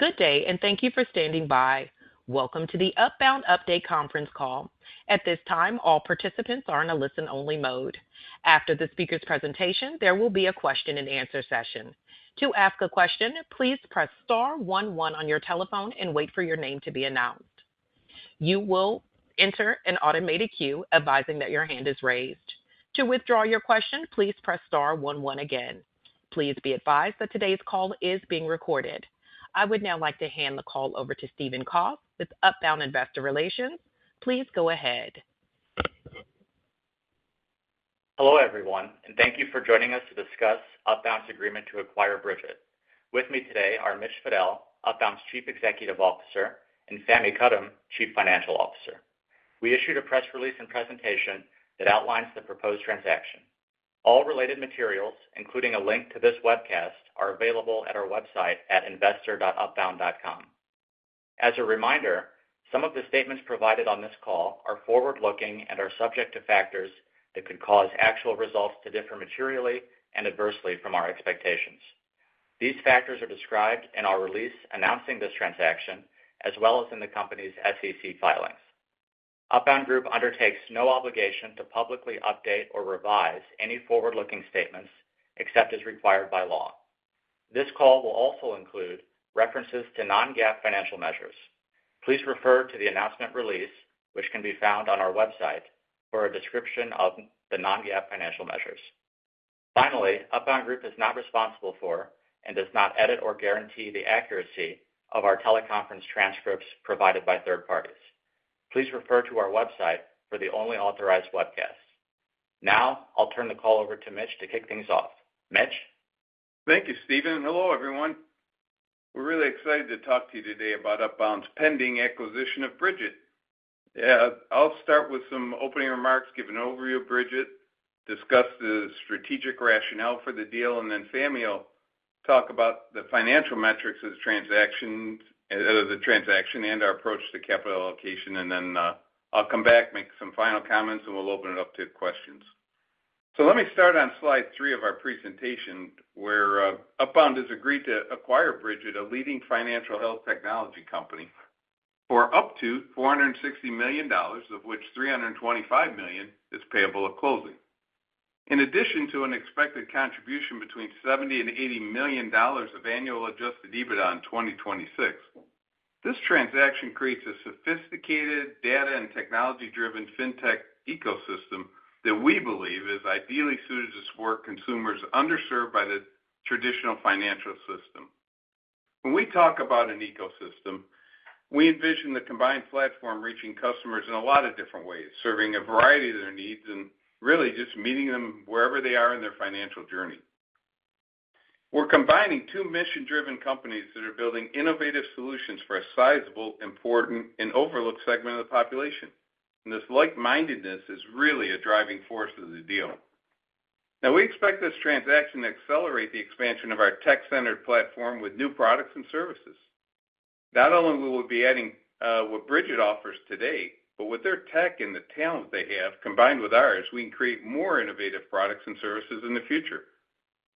Good day, and thank you for standing by. Welcome to the Upbound Update Conference Call. At this time, all participants are in a listen-only mode. After the speaker's presentation, there will be a question-and-answer session. To ask a question, please press star one one on your telephone and wait for your name to be announced. You will enter an automated queue advising that your hand is raised. To withdraw your question, please press star one one again. Please be advised that today's call is being recorded. I would now like to hand the call over to Stephen Kauf with Upbound Investor Relations. Please go ahead. Hello, everyone, and thank you for joining us to discuss Upbound's agreement to acquire Brigit. With me today are Mitch Fadel, Upbound's Chief Executive Officer, and Fahmi Karam, Chief Financial Officer. We issued a press release and presentation that outlines the proposed transaction. All related materials, including a link to this webcast, are available at our website at investor.upbound.com. As a reminder, some of the statements provided on this call are forward-looking and are subject to factors that could cause actual results to differ materially and adversely from our expectations. These factors are described in our release announcing this transaction, as well as in the company's SEC filings. Upbound Group undertakes no obligation to publicly update or revise any forward-looking statements except as required by law. This call will also include references to non-GAAP financial measures. Please refer to the announcement release, which can be found on our website, for a description of the non-GAAP financial measures. Finally, Upbound Group is not responsible for and does not edit or guarantee the accuracy of our teleconference transcripts provided by third parties. Please refer to our website for the only authorized webcasts. Now, I'll turn the call over to Mitch to kick things off. Mitch? Thank you, Stephen. Hello, everyone. We're really excited to talk to you today about Upbound's pending acquisition of Brigit. Yeah, I'll start with some opening remarks, give an overview of Brigit, discuss the strategic rationale for the deal, and then Fahmi will talk about the financial metrics of the transaction and our approach to capital allocation. And then I'll come back, make some final comments, and we'll open it up to questions. So let me start on slide three of our presentation, where Upbound has agreed to acquire Brigit, a leading financial health technology company, for up to $460 million, of which $325 million is payable at closing. In addition to an expected contribution between $70 and $80 million of annual Adjusted EBITDA in 2026, this transaction creates a sophisticated data and technology-driven fintech ecosystem that we believe is ideally suited to support consumers underserved by the traditional financial system. When we talk about an ecosystem, we envision the combined platform reaching customers in a lot of different ways, serving a variety of their needs and really just meeting them wherever they are in their financial journey. We're combining two mission-driven companies that are building innovative solutions for a sizable, important, and overlooked segment of the population. And this like-mindedness is really a driving force of the deal. Now, we expect this transaction to accelerate the expansion of our tech-centered platform with new products and services. Not only will we be adding what Brigit offers today, but with their tech and the talent they have combined with ours, we can create more innovative products and services in the future.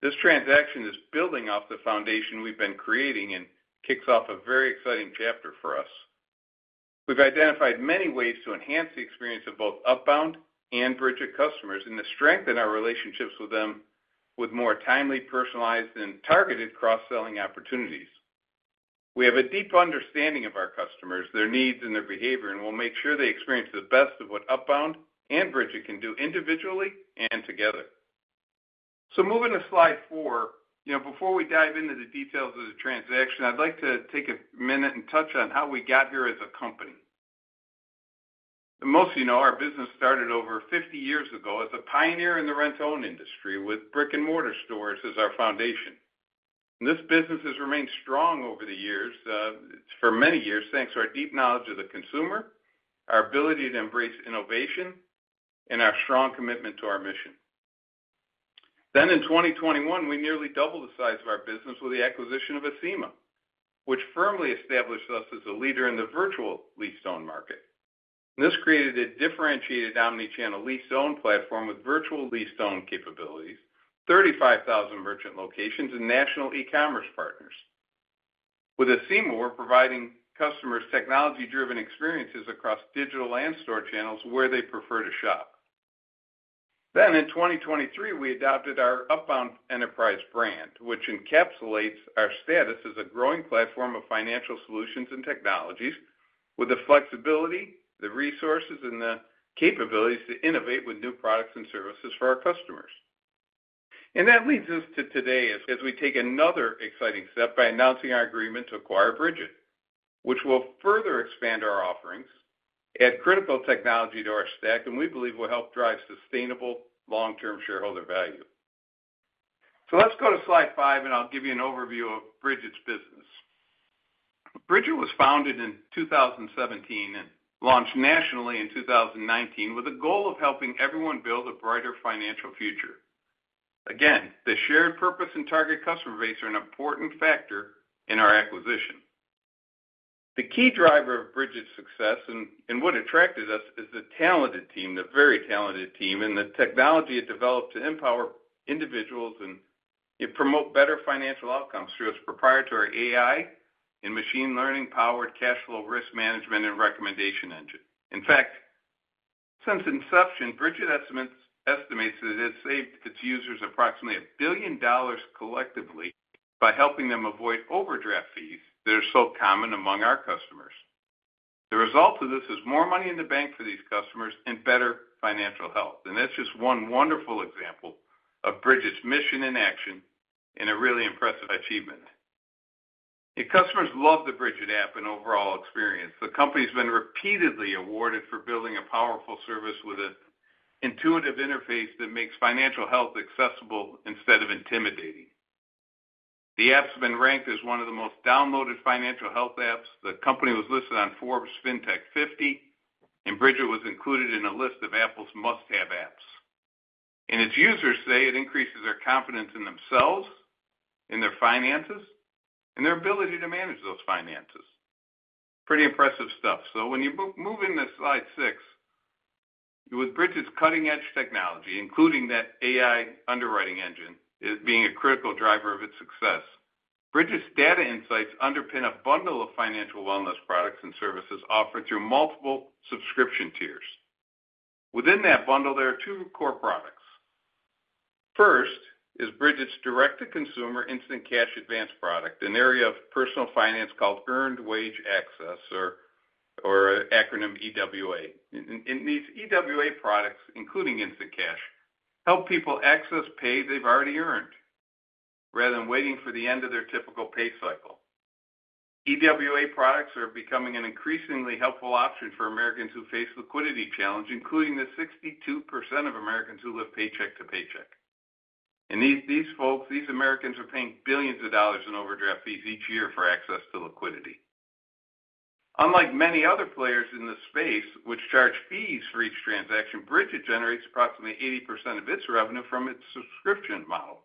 This transaction is building off the foundation we've been creating and kicks off a very exciting chapter for us. We've identified many ways to enhance the experience of both Upbound and Brigit customers and to strengthen our relationships with them with more timely, personalized, and targeted cross-selling opportunities. We have a deep understanding of our customers, their needs, and their behavior, and we'll make sure they experience the best of what Upbound and Brigit can do individually and together. So moving to slide four, before we dive into the details of the transaction, I'd like to take a minute and touch on how we got here as a company. Most of you know our business started over 50 years ago as a pioneer in the rent-to-own industry with brick-and-mortar stores as our foundation. This business has remained strong over the years, for many years, thanks to our deep knowledge of the consumer, our ability to embrace innovation, and our strong commitment to our mission. Then in 2021, we nearly doubled the size of our business with the acquisition of Acima, which firmly established us as a leader in the virtual lease-to-own market. This created a differentiated omnichannel lease-to-own platform with virtual lease-to-own capabilities, 35,000 merchant locations, and national e-commerce partners. With Acima, we're providing customers technology-driven experiences across digital and store channels where they prefer to shop. Then in 2023, we adopted our Upbound Enterprise brand, which encapsulates our status as a growing platform of financial solutions and technologies with the flexibility, the resources, and the capabilities to innovate with new products and services for our customers. And that leads us to today as we take another exciting step by announcing our agreement to acquire Brigit, which will further expand our offerings, add critical technology to our stack, and we believe will help drive sustainable long-term shareholder value. Let's go to slide five, and I'll give you an overview of Brigit's business. Brigit was founded in 2017 and launched nationally in 2019 with a goal of helping everyone build a brighter financial future. Again, the shared purpose and target customer base are an important factor in our acquisition. The key driver of Brigit's success and what attracted us is the talented team, the very talented team, and the technology it developed to empower individuals and promote better financial outcomes through its proprietary AI and machine learning-powered cash flow risk management and recommendation engine. In fact, since inception, Brigit estimates that it has saved its users approximately $1 billion collectively by helping them avoid overdraft fees that are so common among our customers. The result of this is more money in the bank for these customers and better financial health. That's just one wonderful example of Brigit's mission in action and a really impressive achievement. Customers love the Brigit app and overall experience. The company has been repeatedly awarded for building a powerful service with an intuitive interface that makes financial health accessible instead of intimidating. The app's been ranked as one of the most downloaded financial health apps. The company was listed on Forbes Fintech 50, and Brigit was included in a list of Apple's must-have apps. Its users say it increases their confidence in themselves, in their finances, and their ability to manage those finances. Pretty impressive stuff. When you move into slide six, with Brigit's cutting-edge technology, including that AI underwriting engine being a critical driver of its success, Brigit's data insights underpin a bundle of financial wellness products and services offered through multiple subscription tiers. Within that bundle, there are two core products. First is Brigit's direct-to-consumer instant cash advance product, an area of personal finance called earned wage access, or acronym EWA. These EWA products, including instant cash, help people access pay they've already earned rather than waiting for the end of their typical pay cycle. EWA products are becoming an increasingly helpful option for Americans who face liquidity challenges, including the 62% of Americans who live paycheck to paycheck. These folks, these Americans, are paying billions of dollars in overdraft fees each year for access to liquidity. Unlike many other players in the space, which charge fees for each transaction, Brigit generates approximately 80% of its revenue from its subscription model.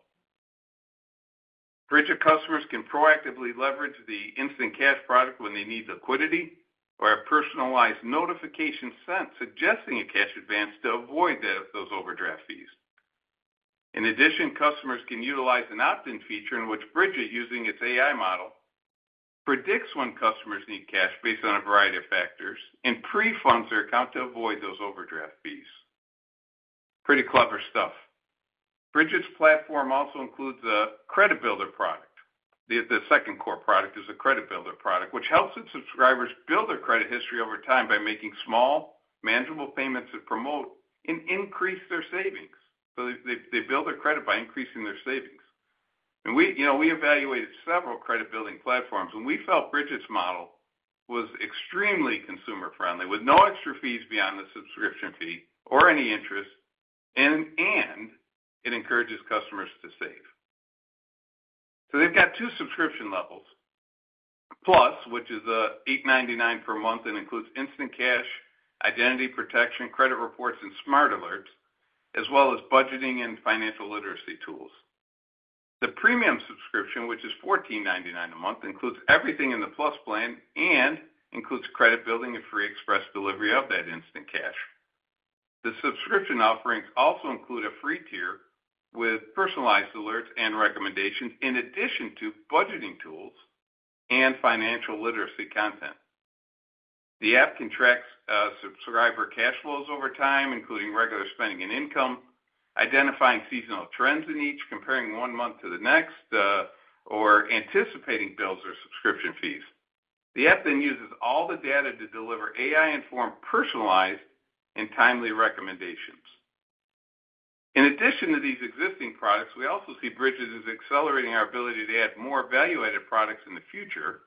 Brigit customers can proactively leverage the instant cash product when they need liquidity or have personalized notifications sent suggesting a cash advance to avoid those overdraft fees. In addition, customers can utilize an opt-in feature in which Brigit, using its AI model, predicts when customers need cash based on a variety of factors and pre-funds their account to avoid those overdraft fees. Pretty clever stuff. Brigit's platform also includes a Credit Builder product. The second core product is a Credit Builder product, which helps its subscribers build their credit history over time by making small, manageable payments that promote and increase their savings. They build their credit by increasing their savings. And we evaluated several credit-building platforms, and we felt Brigit's model was extremely consumer-friendly with no extra fees beyond the subscription fee or any interest, and it encourages customers to save. So they've got two subscription levels, Plus, which is $8.99 per month and includes Instant Cash, identity protection, credit reports, and smart alerts, as well as budgeting and financial literacy tools. The Premium Plan, which is $14.99 a month, includes everything in the Plus Plan and includes Credit Builder and free express delivery of that Instant Cash. The subscription offerings also include a free tier with personalized alerts and recommendations, in addition to budgeting tools and financial literacy content. The app can track subscriber cash flows over time, including regular spending and income, identifying seasonal trends in each, comparing one month to the next, or anticipating bills or subscription fees. The app then uses all the data to deliver AI-informed, personalized, and timely recommendations. In addition to these existing products, we also see Brigit as accelerating our ability to add more value-added products in the future,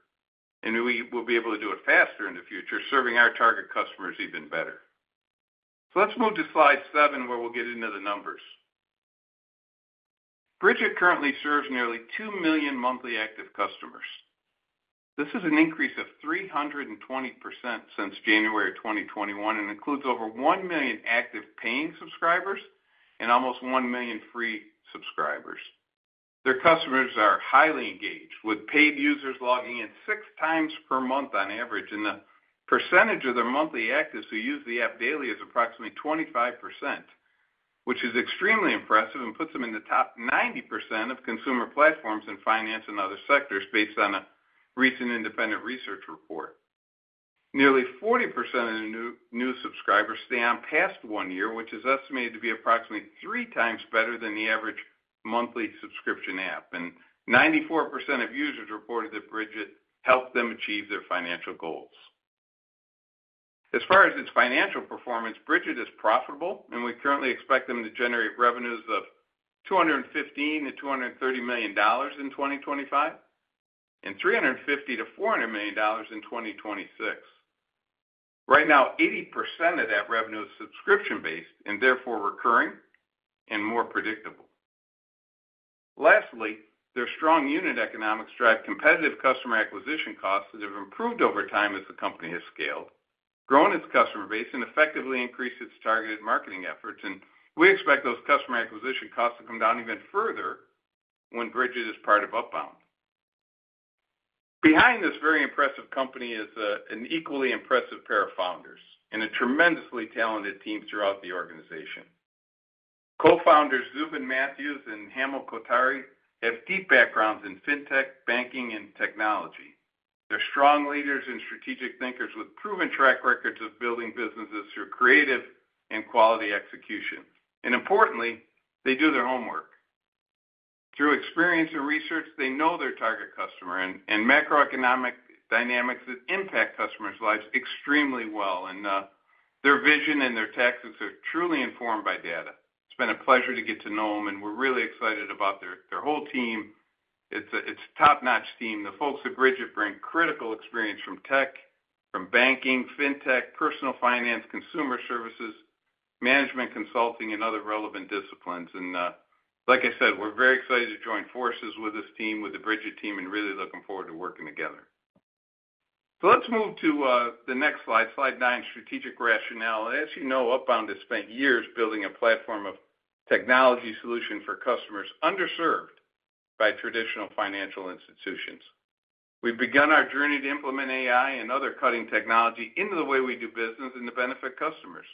and we will be able to do it faster in the future, serving our target customers even better, so let's move to slide seven, where we'll get into the numbers. Brigit currently serves nearly 2 million monthly active customers. This is an increase of 320% since January 2021 and includes over 1 million active paying subscribers and almost 1 million free subscribers. Their customers are highly engaged, with paid users logging in six times per month on average, and the percentage of their monthly active who use the app daily is approximately 25%, which is extremely impressive and puts them in the top 90% of consumer platforms in finance and other sectors based on a recent independent research report. Nearly 40% of new subscribers stay on past one year, which is estimated to be approximately three times better than the average monthly subscription app, and 94% of users reported that Brigit helped them achieve their financial goals. As far as its financial performance, Brigit is profitable, and we currently expect them to generate revenues of $215 million-$230 million in 2025 and $350 million-$400 million in 2026. Right now, 80% of that revenue is subscription-based and therefore recurring and more predictable. Lastly, their strong unit economics drive competitive customer acquisition costs that have improved over time as the company has scaled, grown its customer base, and effectively increased its targeted marketing efforts. And we expect those customer acquisition costs to come down even further when Brigit is part of Upbound. Behind this very impressive company is an equally impressive pair of founders and a tremendously talented team throughout the organization. Co-founders Zubin Matthews and Hamel Kothari have deep backgrounds in fintech, banking, and technology. They're strong leaders and strategic thinkers with proven track records of building businesses through creative and quality execution. Importantly, they do their homework. Through experience and research, they know their target customer and macroeconomic dynamics that impact customers' lives extremely well. Their vision and their tactics are truly informed by data. It's been a pleasure to get to know them, and we're really excited about their whole team. It's a top-notch team. The folks at Brigit bring critical experience from tech, from banking, fintech, personal finance, consumer services, management consulting, and other relevant disciplines. Like I said, we're very excited to join forces with this team, with the Brigit team, and really looking forward to working together. Let's move to the next slide, slide nine, strategic rationale. As you know, Upbound has spent years building a platform of technology solutions for customers underserved by traditional financial institutions. We've begun our journey to implement AI and other cutting-edge technology into the way we do business and to benefit customers,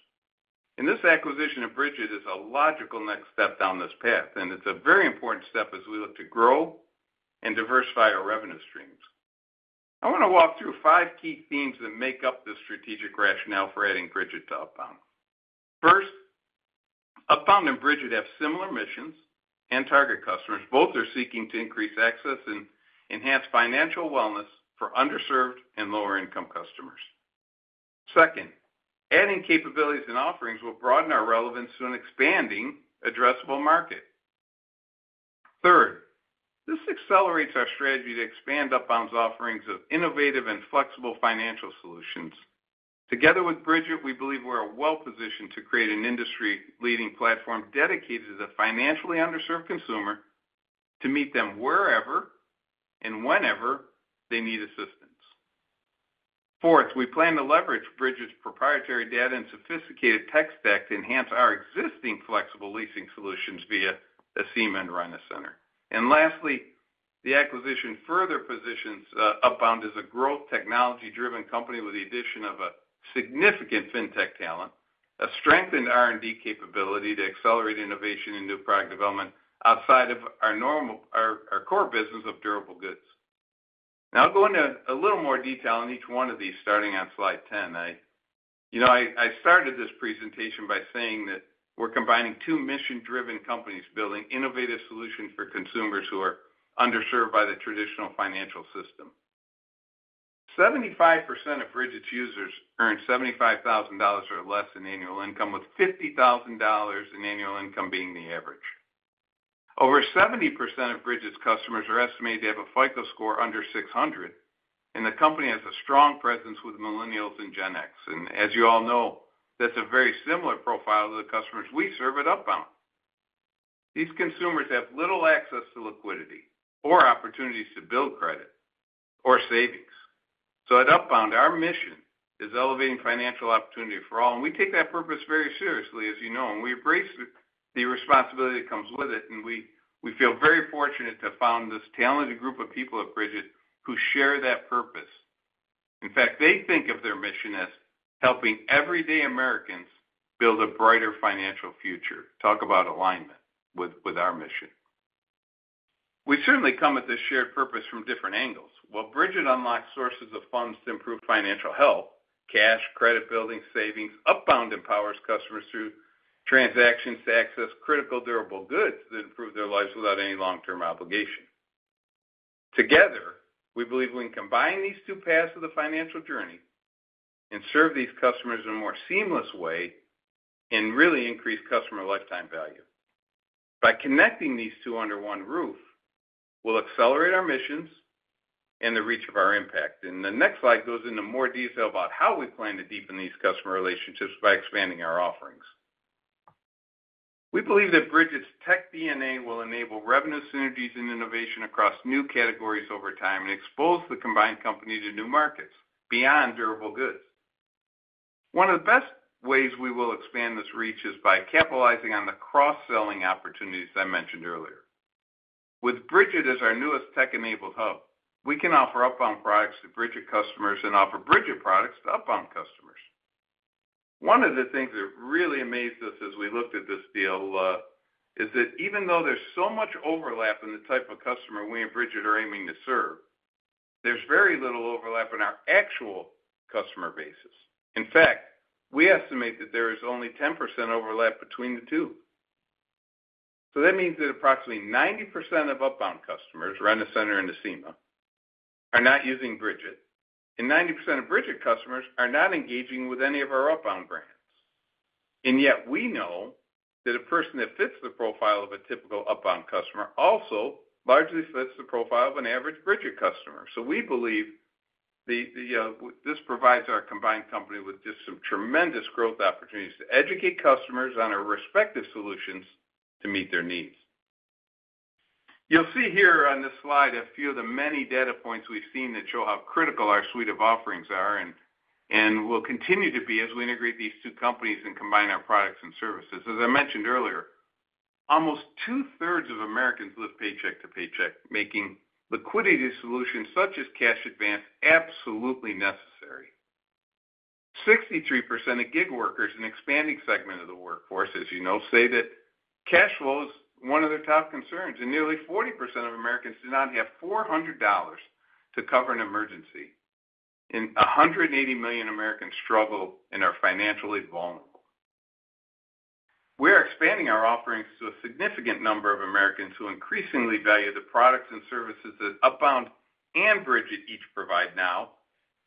and this acquisition of Brigit is a logical next step down this path, and it's a very important step as we look to grow and diversify our revenue streams. I want to walk through five key themes that make up the strategic rationale for adding Brigit to Upbound. First, Upbound and Brigit have similar missions and target customers. Both are seeking to increase access and enhance financial wellness for underserved and lower-income customers. Second, adding capabilities and offerings will broaden our relevance to an expanding, addressable market. Third, this accelerates our strategy to expand Upbound's offerings of innovative and flexible financial solutions. Together with Brigit, we believe we're well-positioned to create an industry-leading platform dedicated to the financially underserved consumer to meet them wherever and whenever they need assistance. Fourth, we plan to leverage Brigit's proprietary data and sophisticated tech stack to enhance our existing flexible leasing solutions via Acima and Rent-A-Center, and lastly, the acquisition further positions Upbound as a growth technology-driven company with the addition of a significant fintech talent, a strengthened R&D capability to accelerate innovation and new product development outside of our core business of durable goods. Now, I'll go into a little more detail on each one of these, starting on slide 10. I started this presentation by saying that we're combining two mission-driven companies building innovative solutions for consumers who are underserved by the traditional financial system. 75% of Brigit's users earn $75,000 or less in annual income, with $50,000 in annual income being the average. Over 70% of Brigit's customers are estimated to have a FICO score under 600, and the company has a strong presence with millennials and Gen X. As you all know, that's a very similar profile to the customers we serve at Upbound. These consumers have little access to liquidity or opportunities to build credit or savings. At Upbound, our mission is elevating financial opportunity for all. We take that purpose very seriously, as you know, and we embrace the responsibility that comes with it. We feel very fortunate to have found this talented group of people at Brigit who share that purpose. In fact, they think of their mission as helping everyday Americans build a brighter financial future. Talk about alignment with our mission. We certainly come at this shared purpose from different angles. While Brigit unlocks sources of funds to improve financial health, cash, credit building, savings, Upbound empowers customers through transactions to access critical durable goods that improve their lives without any long-term obligation. Together, we believe we can combine these two paths of the financial journey and serve these customers in a more seamless way and really increase customer lifetime value. By connecting these two under one roof, we'll accelerate our missions and the reach of our impact. And the next slide goes into more detail about how we plan to deepen these customer relationships by expanding our offerings. We believe that Brigit's tech DNA will enable revenue synergies and innovation across new categories over time and expose the combined company to new markets beyond durable goods. One of the best ways we will expand this reach is by capitalizing on the cross-selling opportunities I mentioned earlier. With Brigit as our newest tech-enabled hub, we can offer Upbound products to Brigit customers and offer Brigit products to Upbound customers. One of the things that really amazed us as we looked at this deal is that even though there's so much overlap in the type of customer we and Brigit are aiming to serve, there's very little overlap in our actual customer base. In fact, we estimate that there is only 10% overlap between the two. So that means that approximately 90% of Upbound customers, Rent-A-Center and Acima, are not using Brigit, and 90% of Brigit customers are not engaging with any of our Upbound brands. And yet we know that a person that fits the profile of a typical Upbound customer also largely fits the profile of an average Brigit customer. So we believe this provides our combined company with just some tremendous growth opportunities to educate customers on our respective solutions to meet their needs. You'll see here on this slide a few of the many data points we've seen that show how critical our suite of offerings are and will continue to be as we integrate these two companies and combine our products and services. As I mentioned earlier, almost two-thirds of Americans live paycheck to paycheck, making liquidity solutions such as cash advance absolutely necessary. 63% of gig workers in the expanding segment of the workforce, as you know, say that cash flow is one of their top concerns, and nearly 40% of Americans do not have $400 to cover an emergency, and 180 million Americans struggle and are financially vulnerable. We are expanding our offerings to a significant number of Americans who increasingly value the products and services that Upbound and Brigit each provide now,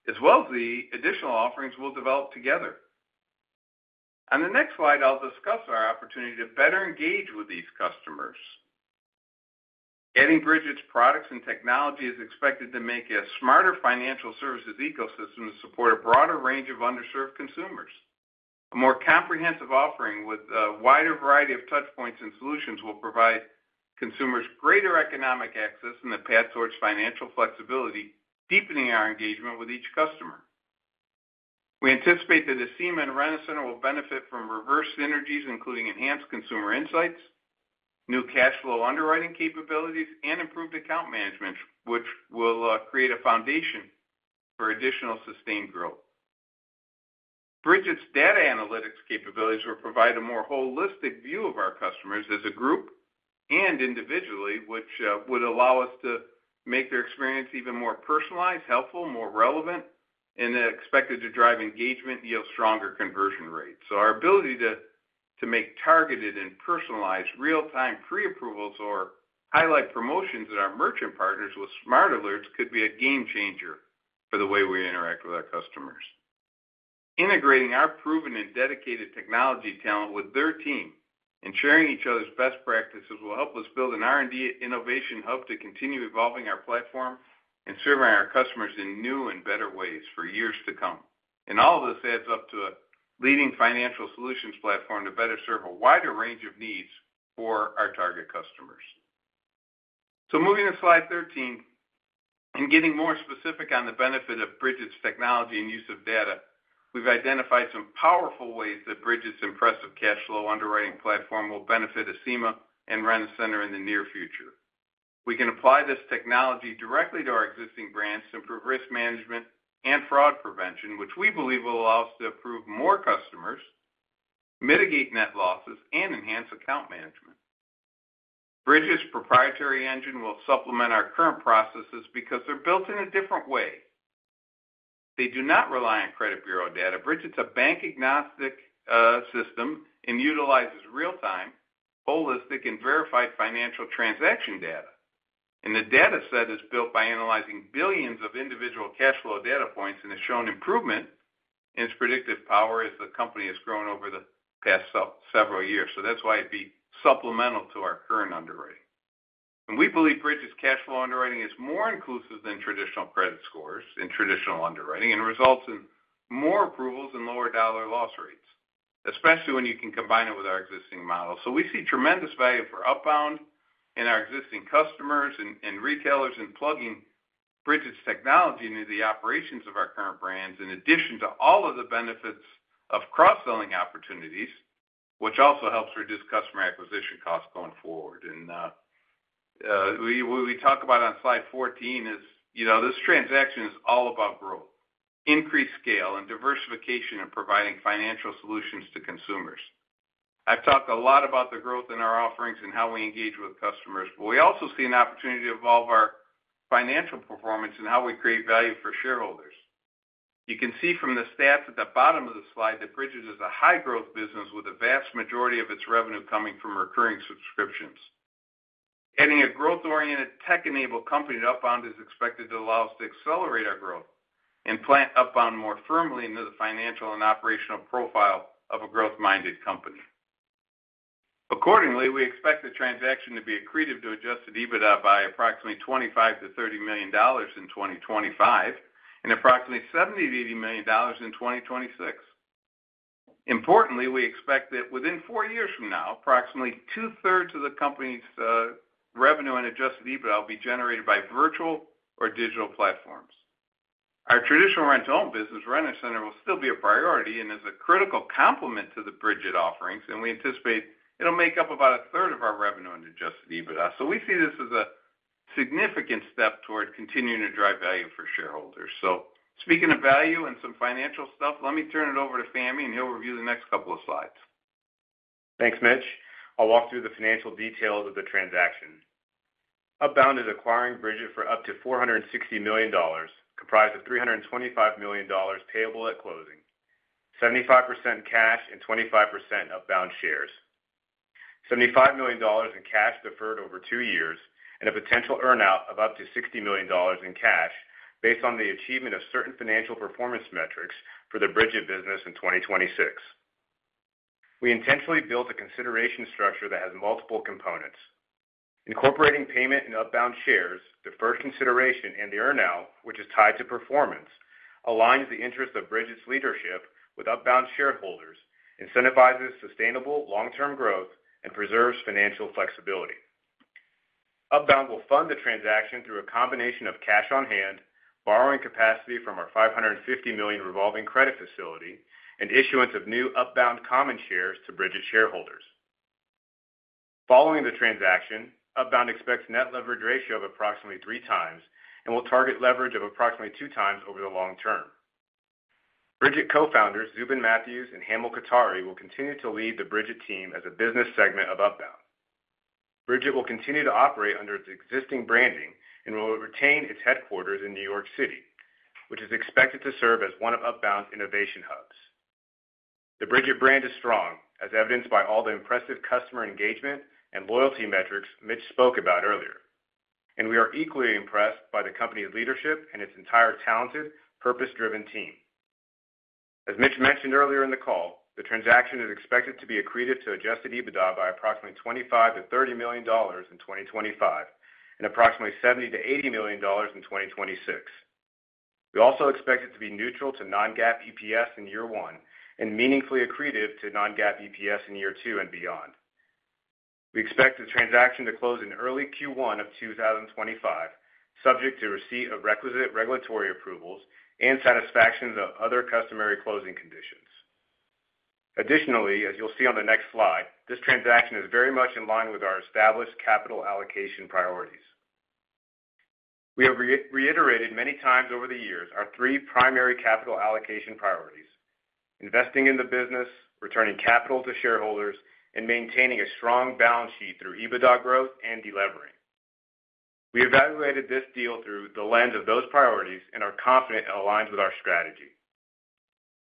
as well as the additional offerings we'll develop together. On the next slide, I'll discuss our opportunity to better engage with these customers. Adding Brigit's products and technology is expected to make a smarter financial services ecosystem to support a broader range of underserved consumers. A more comprehensive offering with a wider variety of touchpoints and solutions will provide consumers greater economic access and the path towards financial flexibility, deepening our engagement with each customer. We anticipate that Acima and Rent-A-Center will benefit from reverse synergies, including enhanced consumer insights, new cash flow underwriting capabilities, and improved account management, which will create a foundation for additional sustained growth. Brigit's data analytics capabilities will provide a more holistic view of our customers as a group and individually, which would allow us to make their experience even more personalized, helpful, more relevant, and expected to drive engagement and yield stronger conversion rates. So our ability to make targeted and personalized real-time pre-approvals or highlight promotions at our merchant partners with smart alerts could be a game changer for the way we interact with our customers. Integrating our proven and dedicated technology talent with their team and sharing each other's best practices will help us build an R&D innovation hub to continue evolving our platform and serving our customers in new and better ways for years to come. And all of this adds up to a leading financial solutions platform to better serve a wider range of needs for our target customers. So moving to slide 13 and getting more specific on the benefit of Brigit's technology and use of data, we've identified some powerful ways that Brigit's impressive cash flow underwriting platform will benefit Acima and Rent-A-Center in the near future. We can apply this technology directly to our existing brands, improve risk management, and fraud prevention, which we believe will allow us to approve more customers, mitigate net losses, and enhance account management. Brigit's proprietary engine will supplement our current processes because they're built in a different way. They do not rely on credit bureau data. Brigit's a bank-agnostic system and utilizes real-time, holistic, and verified financial transaction data, and the data set is built by analyzing billions of individual cash flow data points and has shown improvement in its predictive power as the company has grown over the past several years, so that's why it'd be supplemental to our current underwriting, and we believe Brigit's cash flow underwriting is more inclusive than traditional credit scores in traditional underwriting and results in more approvals and lower dollar loss rates, especially when you can combine it with our existing model. So we see tremendous value for Upbound and our existing customers and retailers in plugging Brigit's technology into the operations of our current brands, in addition to all of the benefits of cross-selling opportunities, which also helps reduce customer acquisition costs going forward. And what we talk about on slide 14 is this transaction is all about growth, increased scale, and diversification in providing financial solutions to consumers. I've talked a lot about the growth in our offerings and how we engage with customers, but we also see an opportunity to evolve our financial performance and how we create value for shareholders. You can see from the stats at the bottom of the slide that Brigit is a high-growth business with a vast majority of its revenue coming from recurring subscriptions. Adding a growth-oriented, tech-enabled company to Upbound is expected to allow us to accelerate our growth and plant Upbound more firmly into the financial and operational profile of a growth-minded company. Accordingly, we expect the transaction to be accretive to Adjusted EBITDA by approximately $25 million-$30 million in 2025 and approximately $70 million-$80 million in 2026. Importantly, we expect that within four years from now, approximately two-thirds of the company's revenue and Adjusted EBITDA will be generated by virtual or digital platforms. Our traditional rent-to-own business, Rent-A-Center, will still be a priority and is a critical complement to the Brigit offerings, and we anticipate it'll make up about a third of our revenue and Adjusted EBITDA. So we see this as a significant step toward continuing to drive value for shareholders. So speaking of value and some financial stuff, let me turn it over to Fahmi, and he'll review the next couple of slides. Thanks, Mitch. I'll walk through the financial details of the transaction. Upbound is acquiring Brigit for up to $460 million, comprised of $325 million payable at closing, 75% in cash and 25% in Upbound shares, $75 million in cash deferred over two years, and a potential earnout of up to $60 million in cash based on the achievement of certain financial performance metrics for the Brigit business in 2026. We intentionally built a consideration structure that has multiple components. Incorporating payment and Upbound shares, the first consideration, and the earnout, which is tied to performance, aligns the interest of Brigit's leadership with Upbound shareholders, incentivizes sustainable long-term growth, and preserves financial flexibility. Upbound will fund the transaction through a combination of cash on hand, borrowing capacity from our $550 million revolving credit facility, and issuance of new Upbound common shares to Brigit shareholders. Following the transaction, Upbound expects net leverage ratio of approximately three times and will target leverage of approximately two times over the long term. Brigit co-founders, Zubin Matthews and Hamel Kothari, will continue to lead the Brigit team as a business segment of Upbound. Brigit will continue to operate under its existing branding and will retain its headquarters in New York City, which is expected to serve as one of Upbound's innovation hubs. The Brigit brand is strong, as evidenced by all the impressive customer engagement and loyalty metrics Mitch spoke about earlier. And we are equally impressed by the company's leadership and its entire talented, purpose-driven team. As Mitch mentioned earlier in the call, the transaction is expected to be accretive to Adjusted EBITDA by approximately $25 million-$30 million in 2025 and approximately $70 million-$80 million in 2026. We also expect it to be neutral to non-GAAP EPS in year one and meaningfully accretive to non-GAAP EPS in year two and beyond. We expect the transaction to close in early Q1 of 2025, subject to receipt of requisite regulatory approvals and satisfaction of other customary closing conditions. Additionally, as you'll see on the next slide, this transaction is very much in line with our established capital allocation priorities. We have reiterated many times over the years our three primary capital allocation priorities: investing in the business, returning capital to shareholders, and maintaining a strong balance sheet through EBITDA growth and deleveraging. We evaluated this deal through the lens of those priorities and are confident it aligns with our strategy.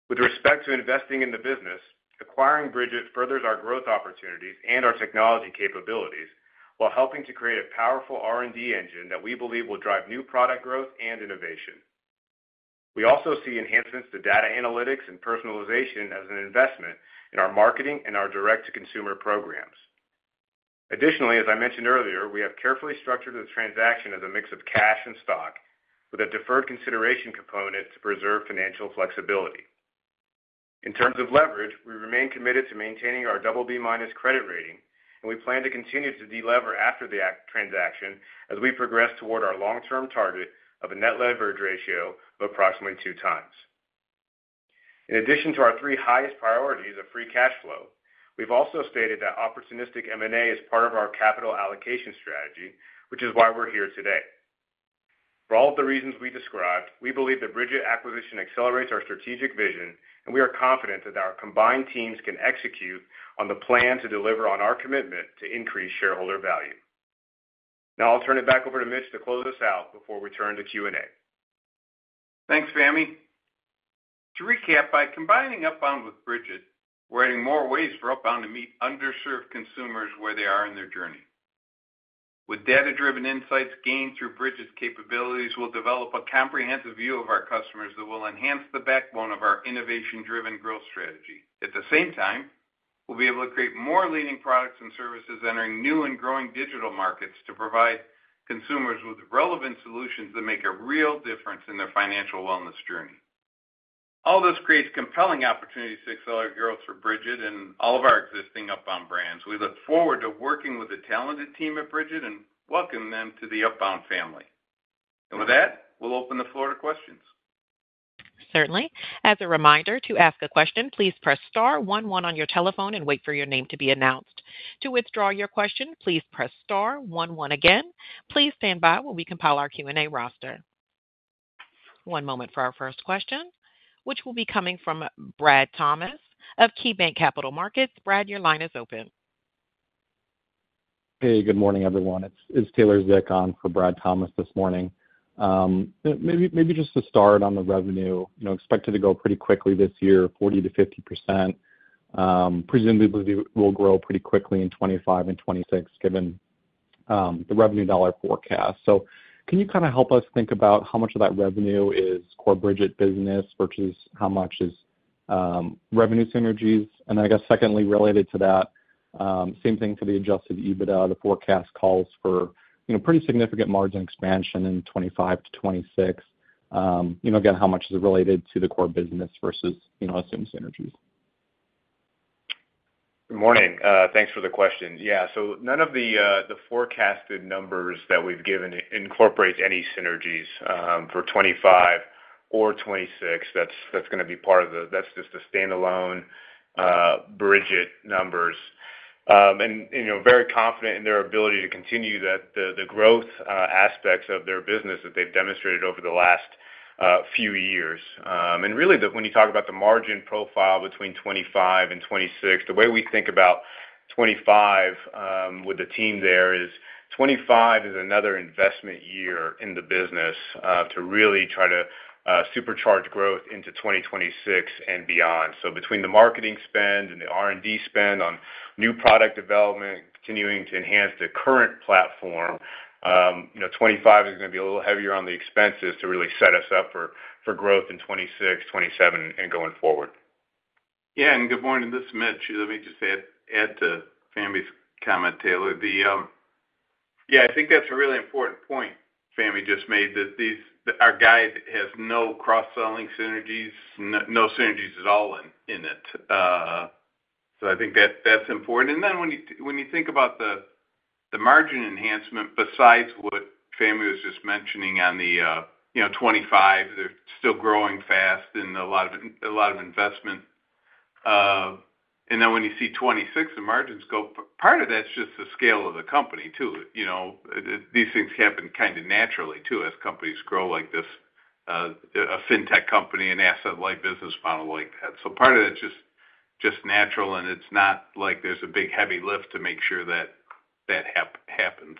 With respect to investing in the business, acquiring Brigit furthers our growth opportunities and our technology capabilities while helping to create a powerful R&D engine that we believe will drive new product growth and innovation. We also see enhancements to data analytics and personalization as an investment in our marketing and our direct-to-consumer programs. Additionally, as I mentioned earlier, we have carefully structured the transaction as a mix of cash and stock with a deferred consideration component to preserve financial flexibility. In terms of leverage, we remain committed to maintaining our BB- credit rating, and we plan to continue to delever after the transaction as we progress toward our long-term target of a net leverage ratio of approximately two times. In addition to our three highest priorities of free cash flow, we've also stated that opportunistic M&A is part of our capital allocation strategy, which is why we're here today. For all of the reasons we described, we believe that Brigit acquisition accelerates our strategic vision, and we are confident that our combined teams can execute on the plan to deliver on our commitment to increase shareholder value. Now I'll turn it back over to Mitch to close us out before we turn to Q&A. Thanks, Fahmi. To recap, by combining Upbound with Brigit, we're adding more ways for Upbound to meet underserved consumers where they are in their journey. With data-driven insights gained through Brigit's capabilities, we'll develop a comprehensive view of our customers that will enhance the backbone of our innovation-driven growth strategy. At the same time, we'll be able to create more leading products and services, entering new and growing digital markets to provide consumers with relevant solutions that make a real difference in their financial wellness journey. All this creates compelling opportunities to accelerate growth for Brigit and all of our existing Upbound brands. We look forward to working with a talented team at Brigit and welcome them to the Upbound family. And with that, we'll open the floor to questions. Certainly. As a reminder, to ask a question, please press star one one on your telephone and wait for your name to be announced. To withdraw your question, please press star one one again. Please stand by while we compile our Q&A roster. One moment for our first question, which will be coming from Brad Thomas of KeyBanc Capital Markets. Brad, your line is open. Hey, good morning, everyone. It's Taylor Zick on for Brad Thomas this morning. Maybe just to start on the revenue, expected to go pretty quickly this year, 40%-50%. Presumably, we'll grow pretty quickly in 2025 and 2026, given the revenue dollar forecast. So can you kind of help us think about how much of that revenue is core Brigit business versus how much is revenue synergies? And I guess, secondly, related to that, same thing for the Adjusted EBITDA, the forecast calls for pretty significant margin expansion in 2025 to 2026. Again, how much is it related to the core business versus assumed synergies? Good morning. Thanks for the question. Yeah. So none of the forecasted numbers that we've given incorporate any synergies for 2025 or 2026. That's going to be part of the—that's just the standalone Brigit numbers. And very confident in their ability to continue the growth aspects of their business that they've demonstrated over the last few years. And really, when you talk about the margin profile between 2025 and 2026, the way we think about 2025 with the team there is 2025 is another investment year in the business to really try to supercharge growth into 2026 and beyond. So between the marketing spend and the R&D spend on new product development, continuing to enhance the current platform, 2025 is going to be a little heavier on the expenses to really set us up for growth in 2026, 2027, and going forward. Yeah. And good morning. This is Mitch. Let me just add to Fahmi's comment, Taylor. Yeah, I think that's a really important point Fahmi just made that our guide has no cross-selling synergies, no synergies at all in it. So I think that's important. And then when you think about the margin enhancement, besides what Fahmi was just mentioning on the 2025, they're still growing fast in a lot of investment. And then when you see 2026, the margins go, part of that's just the scale of the company, too. These things happen kind of naturally, too, as companies grow like this, a fintech company, an asset-like business model like that. So part of that's just natural, and it's not like there's a big heavy lift to make sure that that happens.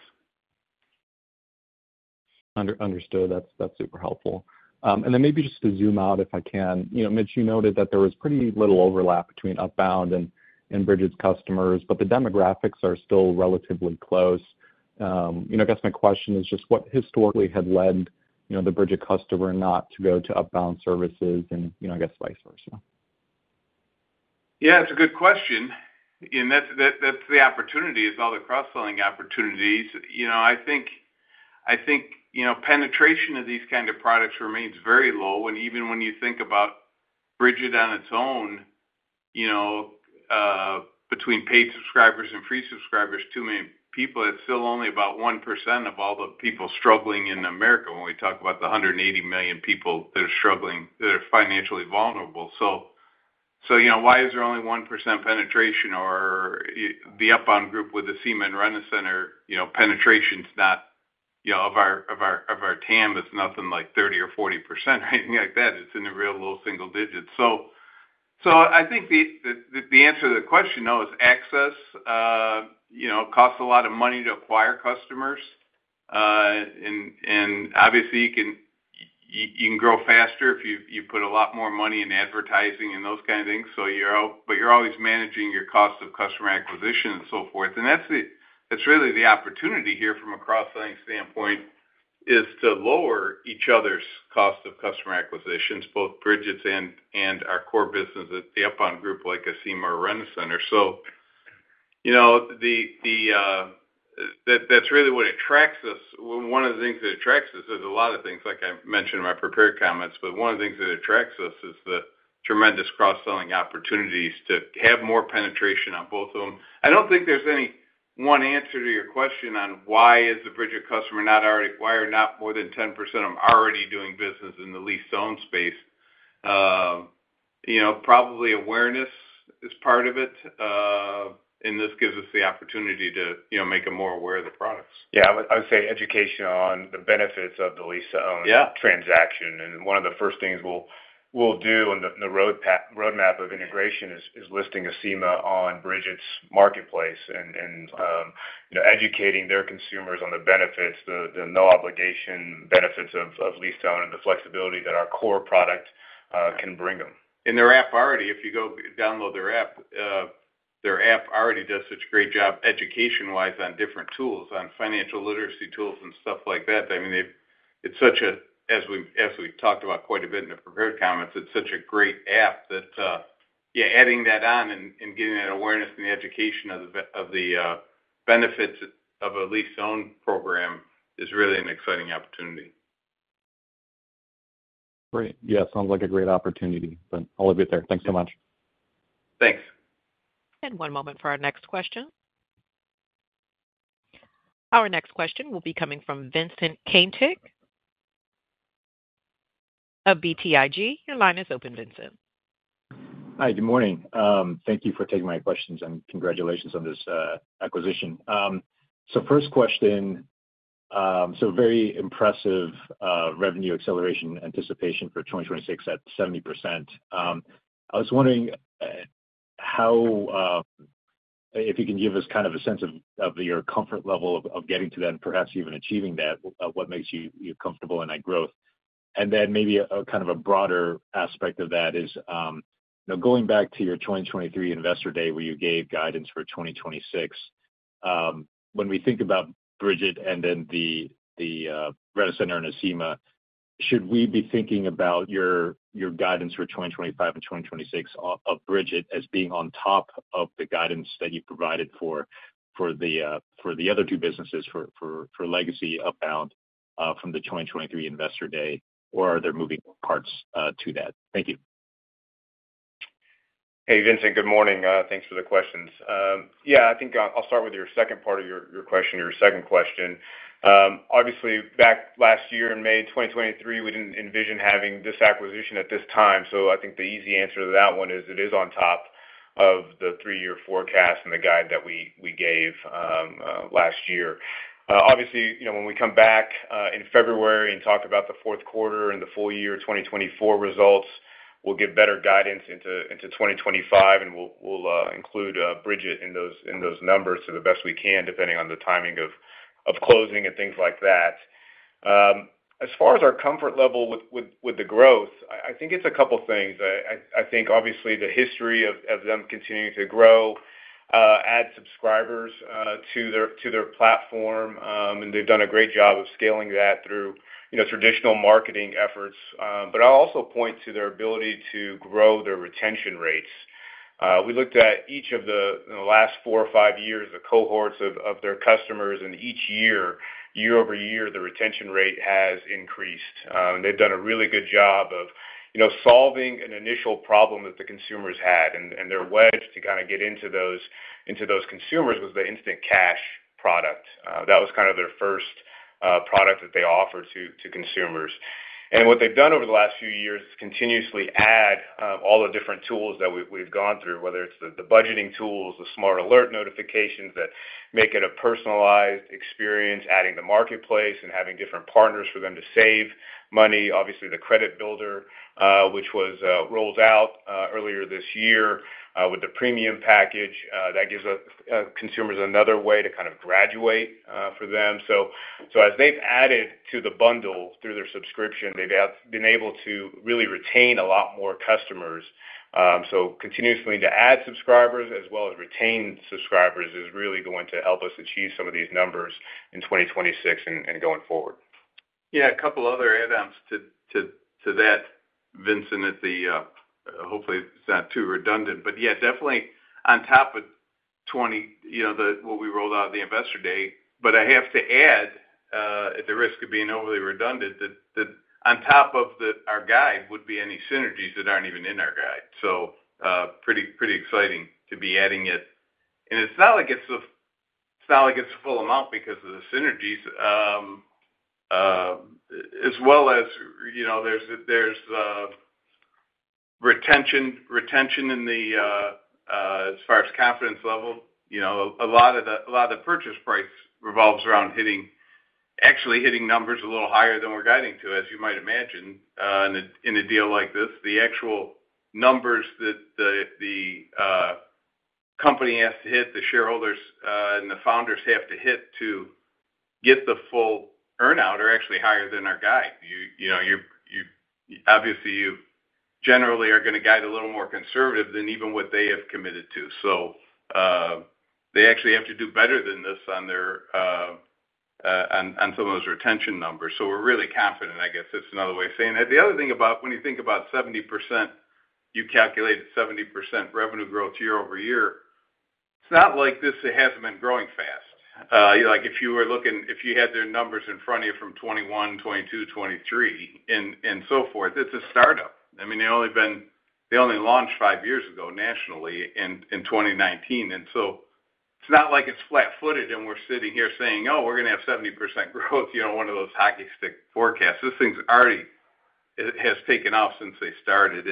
Understood. That's super helpful. And then maybe just to zoom out, if I can, Mitch, you noted that there was pretty little overlap between Upbound and Brigit's customers, but the demographics are still relatively close. I guess my question is just what historically had led the Brigit customer not to go to Upbound services and, I guess, vice versa? Yeah, it's a good question. And that's the opportunity is all the cross-selling opportunities. I think penetration of these kinds of products remains very low. And even when you think about Brigit on its own, between paid subscribers and free subscribers to the many people, it's still only about 1% of all the people struggling in America when we talk about the 180 million people that are struggling that are financially vulnerable. So why is there only 1% penetration? Or the Upbound Group with the Rent-A-Center, penetration of our TAM is nothing like 30% or 40% or anything like that. It's in the real low single digits. so I think the answer to the question, though, is access costs a lot of money to acquire customers. And obviously, you can grow faster if you put a lot more money in advertising and those kinds of things. But you're always managing your cost of customer acquisition and so forth. And that's really the opportunity here from a cross-selling standpoint, is to lower each other's cost of customer acquisitions, both Brigit's and our core business at the Upbound Group, like a Rent-A-Center. So that's really what attracts us. One of the things that attracts us. There's a lot of things, like I mentioned in my prepared comments, but one of the things that attracts us is the tremendous cross-selling opportunities to have more penetration on both of them. I don't think there's any one answer to your question on why is the Brigit customer not already, why are not more than 10% of them already doing business in the lease-to-own space? Probably awareness is part of it. And this gives us the opportunity to make them more aware of the products. Yeah. I would say education on the benefits of the lease-to-own transaction. And one of the first things we'll do on the roadmap of integration is listing Acima on Brigit's marketplace and educating their consumers on the benefits, the no-obligation benefits of lease-to-own and the flexibility that our core product can bring them. And their app already, if you go download their app, their app already does such a great job education-wise on different tools, on financial literacy tools and stuff like that. I mean, it's such a, as we've talked about quite a bit in the prepared comments, it's such a great app that, yeah, adding that on and getting that awareness and the education of the benefits of a lease-to-own program is really an exciting opportunity. Great. Yeah. Sounds like a great opportunity, but I'll leave it there. Thanks so much. Thanks. And one moment for our next question. Our next question will be coming from Vincent Caintic of BTIG. Your line is open, Vincent. Hi. Good morning. Thank you for taking my questions and congratulations on this acquisition. So first question, so very impressive revenue acceleration anticipation for 2026 at 70%. I was wondering if you can give us kind of a sense of your comfort level of getting to that and perhaps even achieving that, what makes you comfortable in that growth? And then maybe kind of a broader aspect of that is going back to your 2023 Investor Day where you gave guidance for 2026. When we think about Brigit and then the Rent-A-Center and the Acima, should we be thinking about your guidance for 2025 and 2026 of Brigit as being on top of the guidance that you provided for the other two businesses for legacy Upbound from the 2023 Investor Day, or are there moving parts to that? Thank you. Hey, Vincent. Good morning. Thanks for the questions. Yeah. I think I'll start with your second part of your question, your second question. Obviously, back last year in May 2023, we didn't envision having this acquisition at this time. So I think the easy answer to that one is it is on top of the three-year forecast and the guide that we gave last year. Obviously, when we come back in February and talk about the fourth quarter and the full year 2024 results, we'll get better guidance into 2025, and we'll include Brigit in those numbers to the best we can, depending on the timing of closing and things like that. As far as our comfort level with the growth, I think it's a couple of things. I think, obviously, the history of them continuing to grow, add subscribers to their platform, and they've done a great job of scaling that through traditional marketing efforts, but I'll also point to their ability to grow their retention rates. We looked at each of the last four or five years of cohorts of their customers, and each year, year-over-year, the retention rate has increased, and they've done a really good job of solving an initial problem that the consumers had. Their wedge to kind of get into those consumers was the instant cash product. That was kind of their first product that they offered to consumers. What they've done over the last few years is continuously add all the different tools that we've gone through, whether it's the budgeting tools, the smart alert notifications that make it a personalized experience, adding the marketplace and having different partners for them to save money. Obviously, the credit builder, which was rolled out earlier this year with the premium package, that gives consumers another way to kind of graduate for them. So as they've added to the bundle through their subscription, they've been able to really retain a lot more customers. So continuously to add subscribers as well as retain subscribers is really going to help us achieve some of these numbers in 2026 and going forward. Yeah. A couple of other add-ons to that, Vincent. Hopefully, it's not too redundant. But yeah, definitely on top of what we rolled out at the Investor Day. But I have to add, at the risk of being overly redundant, that on top of our guide would be any synergies that aren't even in our guide. So pretty exciting to be adding it. And it's not like it's a, it's not like it's a full amount because of the synergies. As well as there's retention in the, as far as confidence level, a lot of the purchase price revolves around actually hitting numbers a little higher than we're guiding to, as you might imagine in a deal like this. The actual numbers that the company has to hit, the shareholders and the founders have to hit to get the full earnout are actually higher than our guide. Obviously, you generally are going to guide a little more conservative than even what they have committed to. So they actually have to do better than this on some of those retention numbers. So we're really confident, I guess, it's another way of saying that. The other thing about when you think about 70%, you calculate 70% revenue growth year-over-year, it's not like this hasn't been growing fast. If you were looking, if you had their numbers in front of you from 2021, 2022, 2023, and so forth, it's a startup. I mean, they only launched five years ago nationally in 2019. It's not like it's flat-footed and we're sitting here saying, "Oh, we're going to have 70% growth," one of those hockey stick forecasts. This thing's already has taken off since they started.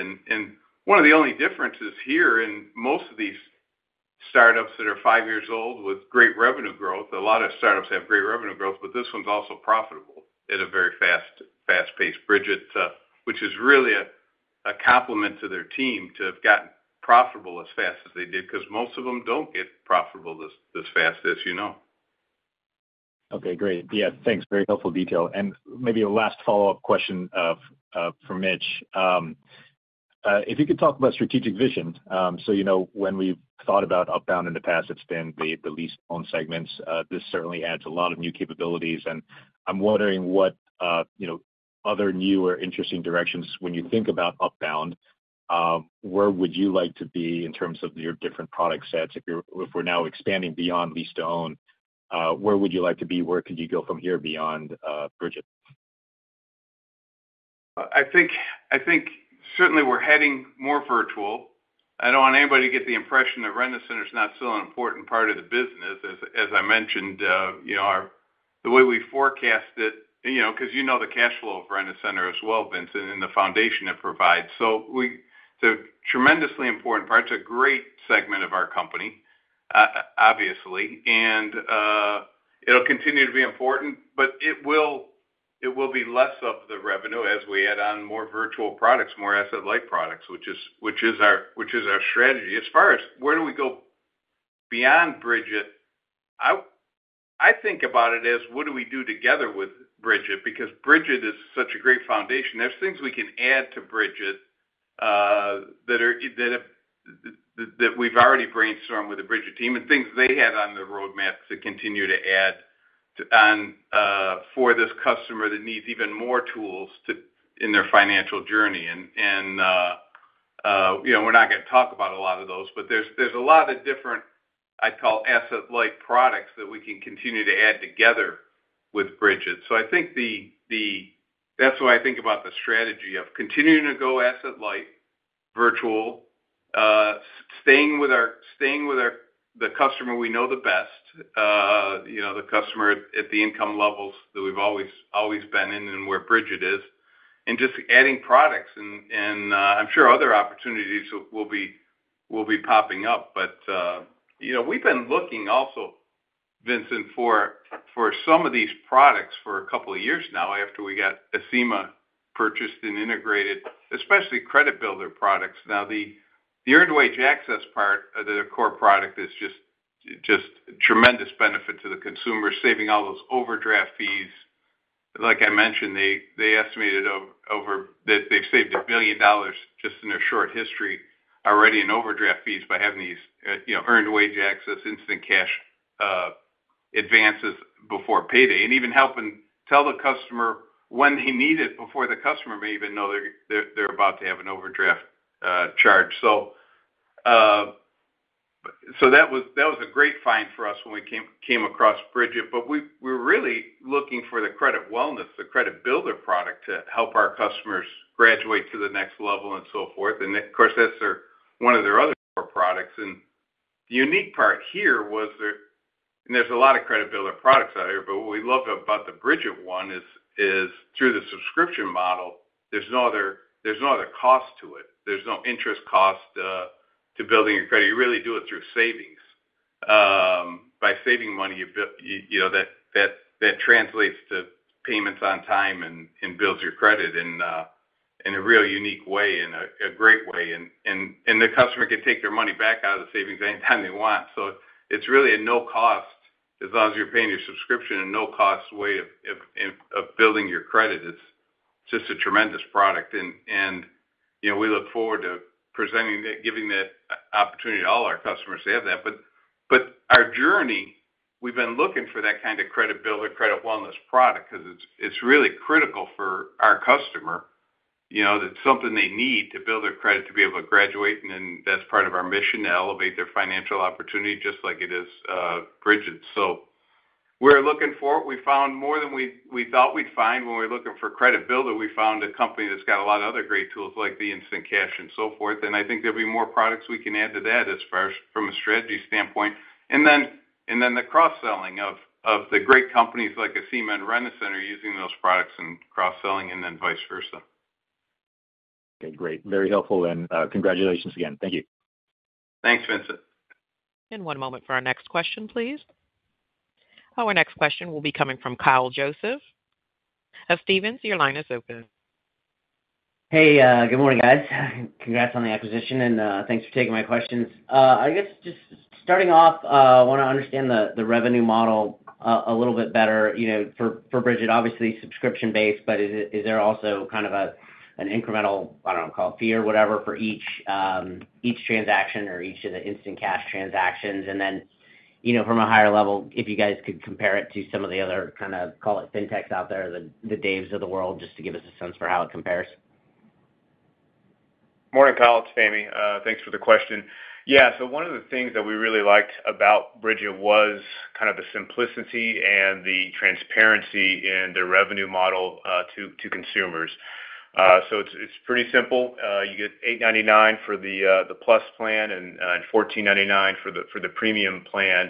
One of the only differences here in most of these startups that are five years old with great revenue growth, a lot of startups have great revenue growth, but this one's also profitable at a very fast pace, Brigit, which is really a compliment to their team to have gotten profitable as fast as they did because most of them don't get profitable this fast, as you know. Okay. Great. Yeah. Thanks. Very helpful detail. Maybe a last follow-up question for Mitch. If you could talk about strategic vision. So when we've thought about Upbound in the past, it's been the lease-to-own segments. This certainly adds a lot of new capabilities. I'm wondering what other new or interesting directions when you think about Upbound, where would you like to be in terms of your different product sets? If we're now expanding beyond lease-to-own, where would you like to be? Where could you go from here beyond Brigit? I think certainly we're heading more virtual. I don't want anybody to get the impression that Rent-A-Center is not still an important part of the business. As I mentioned, the way we forecast it, because you know the cash flow of Rent-A-Center as well, Vincent, and the foundation it provides. So it's a tremendously important part. It's a great segment of our company, obviously, and it'll continue to be important, but it will be less of the revenue as we add on more virtual products, more asset-like products, which is our strategy. As far as where do we go beyond Brigit, I think about it as what do we do together with Brigit? Because Brigit is such a great foundation. There's things we can add to Brigit that we've already brainstormed with the Brigit team and things they had on their roadmap to continue to add for this customer that needs even more tools in their financial journey. We're not going to talk about a lot of those, but there's a lot of different, I'd call, asset-like products that we can continue to add together with Brigit. I think that's why I think about the strategy of continuing to go asset-like, virtual, staying with the customer we know the best, the customer at the income levels that we've always been in and where Brigit is, and just adding products. I'm sure other opportunities will be popping up. We've been looking also, Vincent, for some of these products for a couple of years now after we got Acima purchased and integrated, especially credit builder products. Now, the earned wage access part of their core product is just a tremendous benefit to the consumer, saving all those overdraft fees. Like I mentioned, they estimated they've saved $1 billion just in their short history already in overdraft fees by having these earned wage access, instant cash advances before payday, and even helping tell the customer when they need it before the customer may even know they're about to have an overdraft charge. So that was a great find for us when we came across Brigit. But we were really looking for the credit wellness, the credit builder product to help our customers graduate to the next level and so forth. And of course, that's one of their other core products. And the unique part here was that there's a lot of credit builder products out here, but what we love about the Brigit one is through the subscription model, there's no other cost to it. There's no interest cost to building your credit. You really do it through savings. By saving money, that translates to payments on time and builds your credit in a real unique way and a great way. And the customer can take their money back out of the savings anytime they want. So it's really a no-cost, as long as you're paying your subscription, a no-cost way of building your credit. It's just a tremendous product. And we look forward to giving the opportunity to all our customers to have that. But our journey, we've been looking for that kind of credit builder, credit wellness product because it's really critical for our customer. It's something they need to build their credit to be able to graduate. And then that's part of our mission to elevate their financial opportunity just like it is Brigit. So we're looking for it. We found more than we thought we'd find. When we're looking for credit builder, we found a company that's got a lot of other great tools like the instant cash and so forth. And I think there'll be more products we can add to that as far as from a strategy standpoint. And then the cross-selling of the great companies like Acima and Rent-A-Center using those products and cross-selling and then vice versa. Okay. Great. Very helpful. And congratulations again. Thank you. Thanks, Vincent. And one moment for our next question, please. Our next question will be coming from Kyle Joseph of Stephens, your line is open. Hey, good morning, guys. Congrats on the acquisition. And thanks for taking my questions. I guess just starting off, I want to understand the revenue model a little bit better for Brigit. Obviously, subscription-based, but is there also kind of an incremental, I don't know, call it fee or whatever for each transaction or each of the instant cash transactions? And then from a higher level, if you guys could compare it to some of the other kind of, call it fintechs out there, the Daves of the world, just to give us a sense for how it compares. Morning, Kyle. It's Fahmi. Thanks for the question. Yeah. So one of the things that we really liked about Brigit was kind of the simplicity and the transparency in their revenue model to consumers. So it's pretty simple. You get $8.99 for the Plus plan and $14.99 for the Premium plan.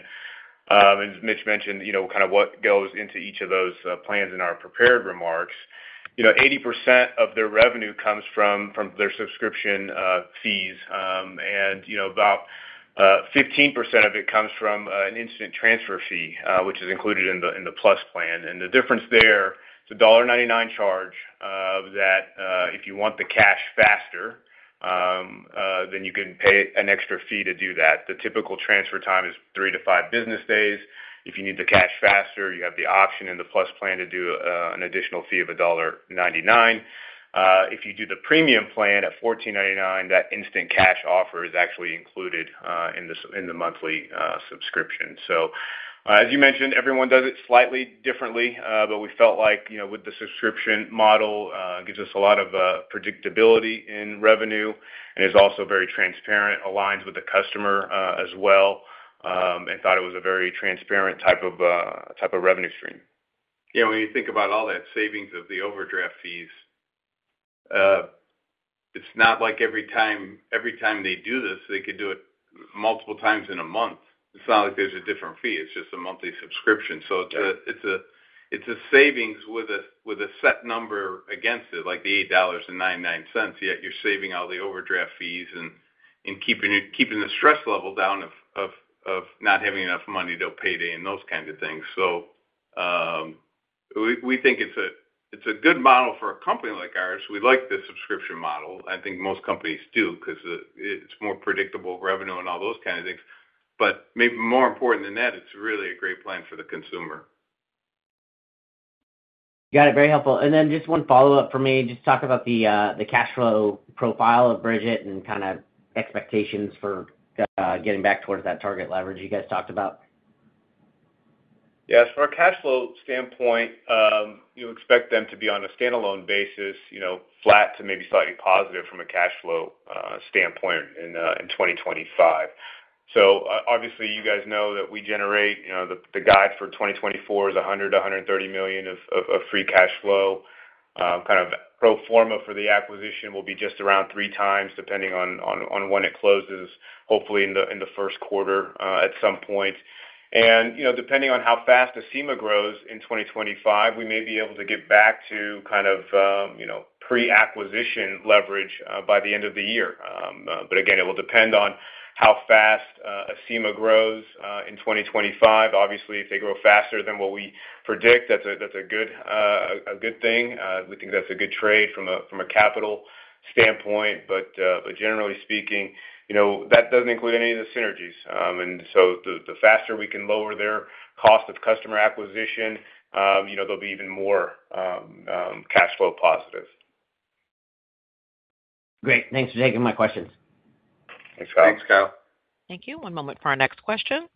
As Mitch mentioned, kind of what goes into each of those plans in our prepared remarks, 80% of their revenue comes from their subscription fees, and about 15% of it comes from an instant transfer fee, which is included in the Plus Plan, and the difference there, it's a $1.99 charge that if you want the cash faster, then you can pay an extra fee to do that. The typical transfer time is three to five business days. If you need the cash faster, you have the option in the Plus Plan to do an additional fee of $1.99. If you do the Premium Plan at $14.99, that instant cash offer is actually included in the monthly subscription. As you mentioned, everyone does it slightly differently, but we felt like with the subscription model, it gives us a lot of predictability in revenue and is also very transparent, aligns with the customer as well, and thought it was a very transparent type of revenue stream. Yeah. When you think about all that savings of the overdraft fees, it's not like every time they do this, they could do it multiple times in a month. It's not like there's a different fee. It's just a monthly subscription. So it's a savings with a set number against it, like the $8.99, yet you're saving all the overdraft fees and keeping the stress level down of not having enough money to payday and those kinds of things. So we think it's a good model for a company like ours. We like the subscription model. I think most companies do because it's more predictable revenue and all those kinds of things. But maybe more important than that, it's really a great plan for the consumer. Got it. Very helpful. And then just one follow-up for me. Just talk about the cash flow profile of Brigit and kind of expectations for getting back towards that target leverage you guys talked about. Yeah. From a cash flow standpoint, you expect them to be on a standalone basis, flat to maybe slightly positive from a cash flow standpoint in 2025. So obviously, you guys know that we generate the guide for 2024 is $100 million-$130 million of free cash flow. Kind of pro forma for the acquisition will be just around three times depending on when it closes, hopefully in the first quarter at some point. And depending on how fast Acima grows in 2025, we may be able to get back to kind of pre-acquisition leverage by the end of the year. But again, it will depend on how fast Acima grows in 2025. Obviously, if they grow faster than what we predict, that's a good thing. We think that's a good trade from a capital standpoint. But generally speaking, that doesn't include any of the synergies. And so the faster we can lower their cost of customer acquisition, they'll be even more cash flow positive. Great. Thanks for taking my questions. Thanks, Kyle. Thanks, Kyle. Thank you. One moment for our next question.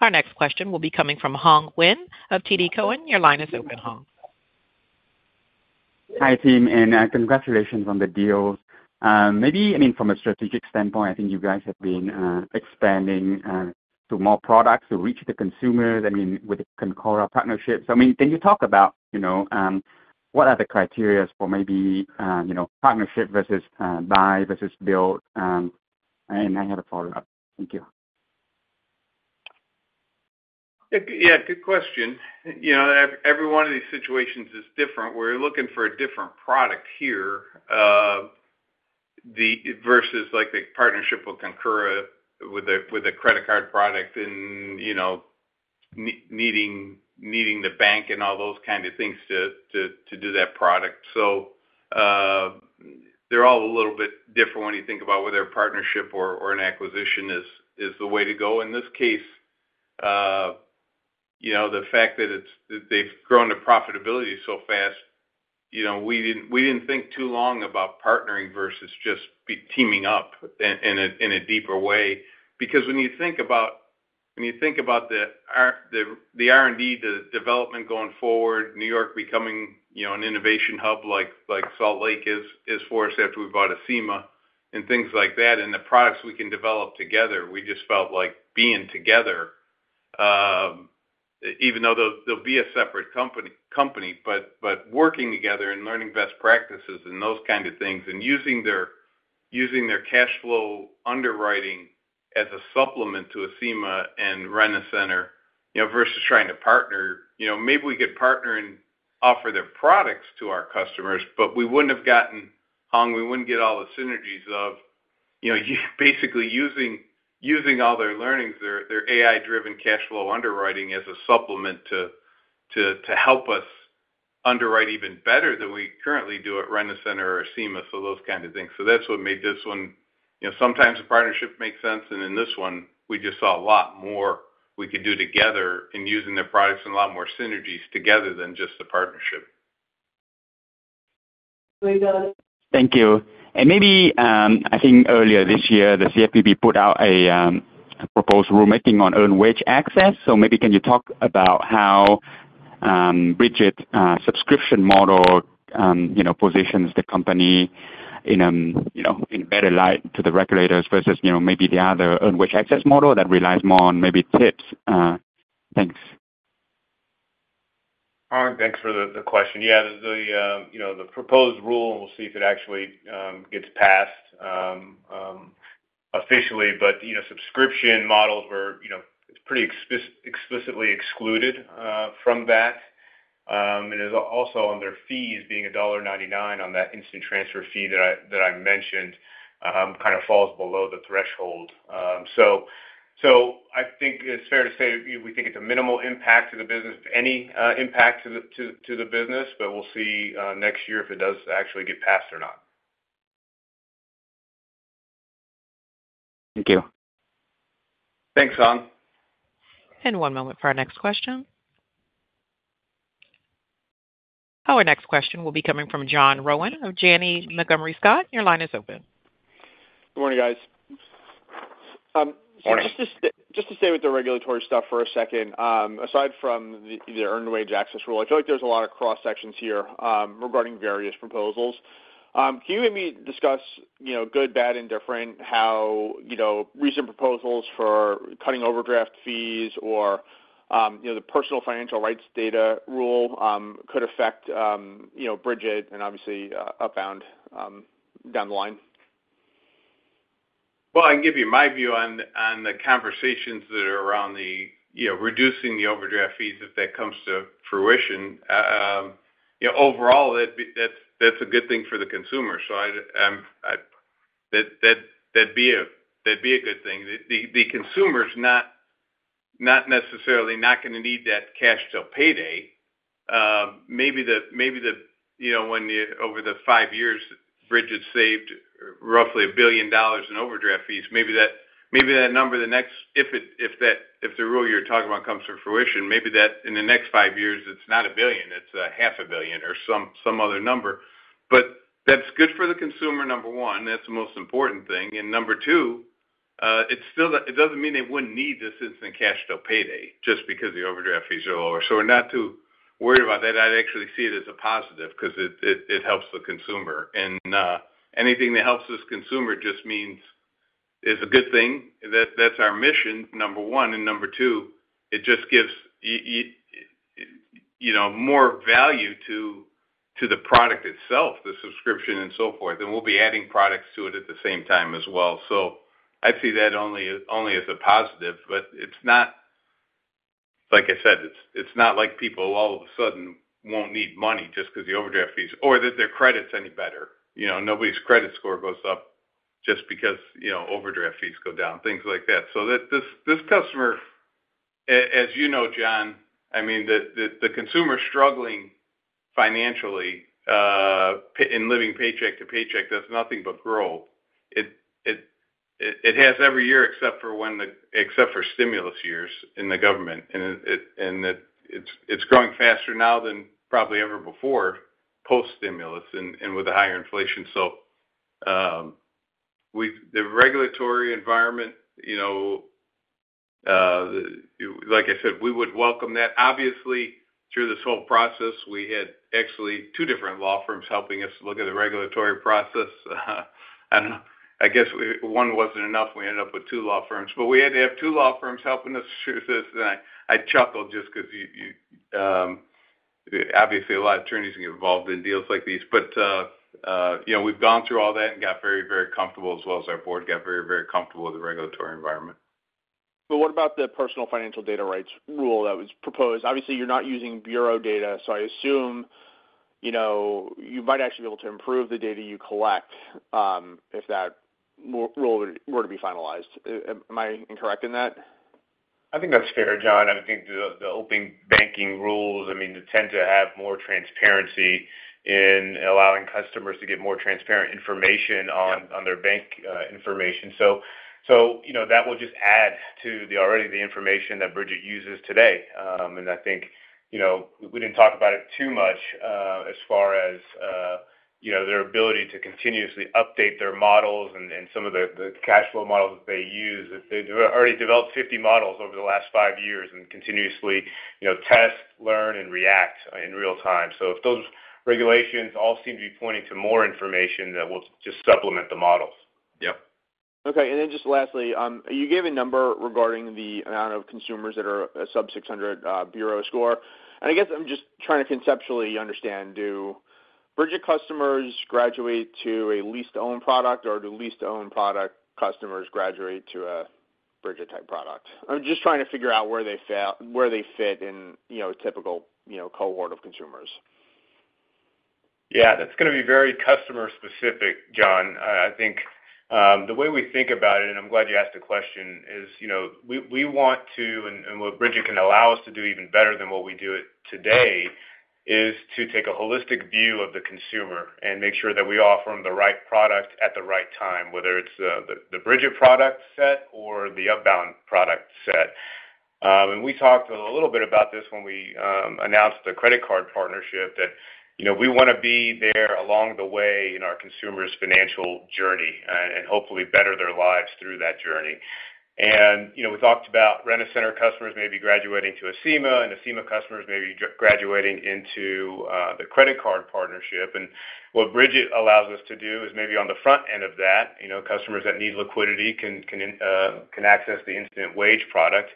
Our next question will be coming from Hoang Nguyen of TD Cowen. Your line is open, Hoang. Hi, team, and congratulations on the deals. I mean, from a strategic standpoint, I think you guys have been expanding to more products to reach the consumers, I mean, with the Concora partnership. So I mean, can you talk about what are the criteria for maybe partnership versus buy versus build? And I have a follow-up. Thank you. Yeah. Good question. Every one of these situations is different. We're looking for a different product here versus the partnership with Concora with a credit card product and needing the bank and all those kinds of things to do that product. So they're all a little bit different when you think about whether a partnership or an acquisition is the way to go. In this case, the fact that they've grown the profitability so fast, we didn't think too long about partnering versus just teaming up in a deeper way. Because when you think about the R&D development going forward, New York becoming an innovation hub like Salt Lake is for us after we bought Acima and things like that, and the products we can develop together, we just felt like being together, even though they'll be a separate company, but working together and learning best practices and those kinds of things and using their cash flow underwriting as a supplement to Acima and Rent-A-Center versus trying to partner. Maybe we could partner and offer their products to our customers, but we wouldn't have gotten control. We wouldn't get all the synergies of basically using all their learnings, their AI-driven cash flow underwriting as a supplement to help us underwrite even better than we currently do at Rent-A-Center or Acima, so those kinds of things. So that's what made this one. Sometimes a partnership makes sense, and in this one, we just saw a lot more we could do together in using their products and a lot more synergies together than just the partnership. Thank you, and maybe I think earlier this year, the CFPB put out a proposed rulemaking on earned wage access, so maybe can you talk about how Brigit's subscription model positions the company in a better light to the regulators versus maybe the other earned wage access model that relies more on maybe tips? Thanks. Thanks for the question. Yeah. The proposed rule, we'll see if it actually gets passed officially, but subscription models were pretty explicitly excluded from that, and also on their fees, being $1.99 on that instant transfer fee that I mentioned, kind of falls below the threshold. So I think it's fair to say we think it's a minimal impact to the business, any impact to the business, but we'll see next year if it does actually get passed or not. Thank you. Thanks, Hoang. And one moment for our next question. Our next question will be coming from John Rowan of Janney Montgomery Scott. Your line is open. Good morning, guys. Just to stay with the regulatory stuff for a second, aside from the earned wage access rule, I feel like there's a lot of cross-sections here regarding various proposals. Can you maybe discuss good, bad, and different how recent proposals for cutting overdraft fees or the personal financial rights data rule could affect Brigit and obviously Upbound down the line? Well, I can give you my view on the conversations that are around reducing the overdraft fees if that comes to fruition. Overall, that's a good thing for the consumer. So that'd be a good thing. The consumer's not necessarily not going to need that cash till payday. Maybe when over the five years, Brigit saved roughly $1 billion in overdraft fees, maybe that number, if the rule you're talking about comes to fruition, maybe in the next five years, it's not a billion. It's $500 million or some other number. But that's good for the consumer, number one. That's the most important thing. And number two, it doesn't mean they wouldn't need this instant cash till payday just because the overdraft fees are lower. So we're not too worried about that. I'd actually see it as a positive because it helps the consumer. And anything that helps this consumer just means it's a good thing. That's our mission, number one. And number two, it just gives more value to the product itself, the subscription and so forth. And we'll be adding products to it at the same time as well. So I'd see that only as a positive. But like I said, it's not like people all of a sudden won't need money just because the overdraft fees or that their credit's any better. Nobody's credit score goes up just because overdraft fees go down, things like that. So this customer, as you know, John, I mean, the consumer struggling financially in living paycheck to paycheck does nothing but grow. It has every year except for stimulus years in the government. And it's growing faster now than probably ever before post-stimulus and with the higher inflation. So the regulatory environment, like I said, we would welcome that. Obviously, through this whole process, we had actually two different law firms helping us look at the regulatory process. I don't know. I guess one wasn't enough. We ended up with two law firms. But we had to have two law firms helping us through this. And I chuckled just because obviously, a lot of attorneys get involved in deals like these. But we've gone through all that and got very, very comfortable, as well as our board got very, very comfortable with the regulatory environment. But what about the personal financial data rights rule that was proposed? Obviously, you're not using bureau data. So I assume you might actually be able to improve the data you collect if that rule were to be finalized. Am I incorrect in that? I think that's fair, John. I think the open banking rules, I mean, tend to have more transparency in allowing customers to get more transparent information on their bank information. So that will just add to already the information that Brigit uses today. And I think we didn't talk about it too much as far as their ability to continuously update their models and some of the cash flow models that they use. They've already developed 50 models over the last five years and continuously test, learn, and react in real time. So if those regulations all seem to be pointing to more information, that will just supplement the models. Yep. Okay. And then just lastly, you gave a number regarding the amount of consumers that are a sub-600 bureau score. I guess I'm just trying to conceptually understand, do Brigit customers graduate to a lease-to-own product, or do lease-to-own product customers graduate to a Brigit-type product? I'm just trying to figure out where they fit in a typical cohort of consumers. Yeah. That's going to be very customer-specific, John. I think the way we think about it, and I'm glad you asked the question, is we want to, and what Brigit can allow us to do even better than what we do today is to take a holistic view of the consumer and make sure that we offer them the right product at the right time, whether it's the Brigit product set or the Upbound product set. We talked a little bit about this when we announced the credit card partnership, that we want to be there along the way in our consumer's financial journey and hopefully better their lives through that journey. We talked about Rent-A-Center customers maybe graduating to an Acima and Acima customers maybe graduating into the credit card partnership. What Brigit allows us to do is maybe on the front end of that, customers that need liquidity can access the instant wage product.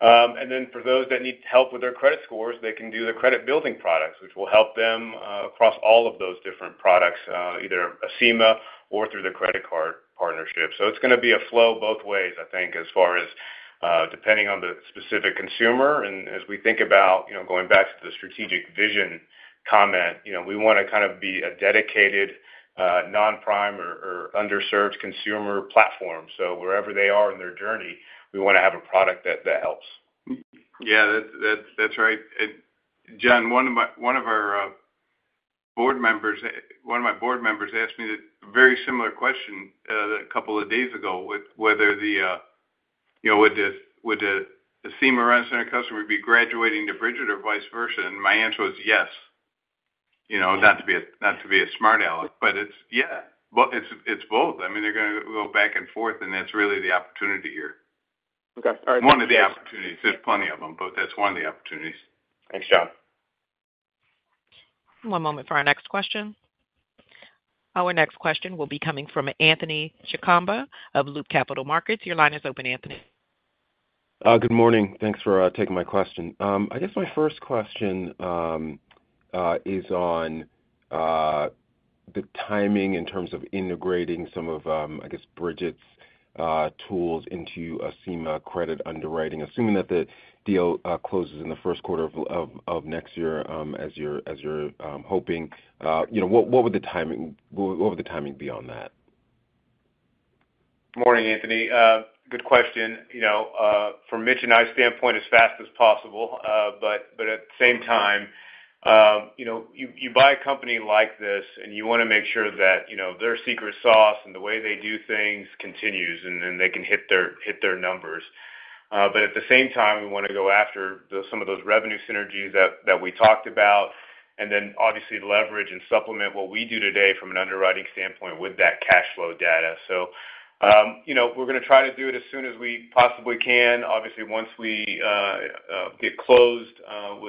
Then for those that need help with their credit scores, they can do the credit-building products, which will help them across all of those different products, either an Acima or through the credit card partnership. It’s going to be a flow both ways, I think, as far as depending on the specific consumer. And as we think about going back to the strategic vision comment, we want to kind of be a dedicated non-prime or underserved consumer platform. So wherever they are in their journey, we want to have a product that helps. Yeah. That's right. And John, one of our board members, one of my board members asked me a very similar question a couple of days ago with whether the Rent-A-Center customer would be graduating to Brigit or vice versa. And my answer was yes, not to be a smart aleck. But it's yeah. It's both. I mean, they're going to go back and forth, and that's really the opportunity here. One of the opportunities. There's plenty of them, but that's one of the opportunities. Thanks, John. One moment for our next question. Our next question will be coming from Anthony Chukumba of Loop Capital Markets. Your line is open, Anthony. Good morning. Thanks for taking my question. I guess my first question is on the timing in terms of integrating some of, I guess, Brigit's tools into Acima credit underwriting, assuming that the deal closes in the first quarter of next year, as you're hoping. What would the timing be on that? Morning, Anthony. Good question. From Mitch and I's standpoint, as fast as possible. But at the same time, you buy a company like this, and you want to make sure that their secret sauce and the way they do things continues, and then they can hit their numbers. But at the same time, we want to go after some of those revenue synergies that we talked about, and then obviously leverage and supplement what we do today from an underwriting standpoint with that cash flow data. So we're going to try to do it as soon as we possibly can. Obviously, once we get closed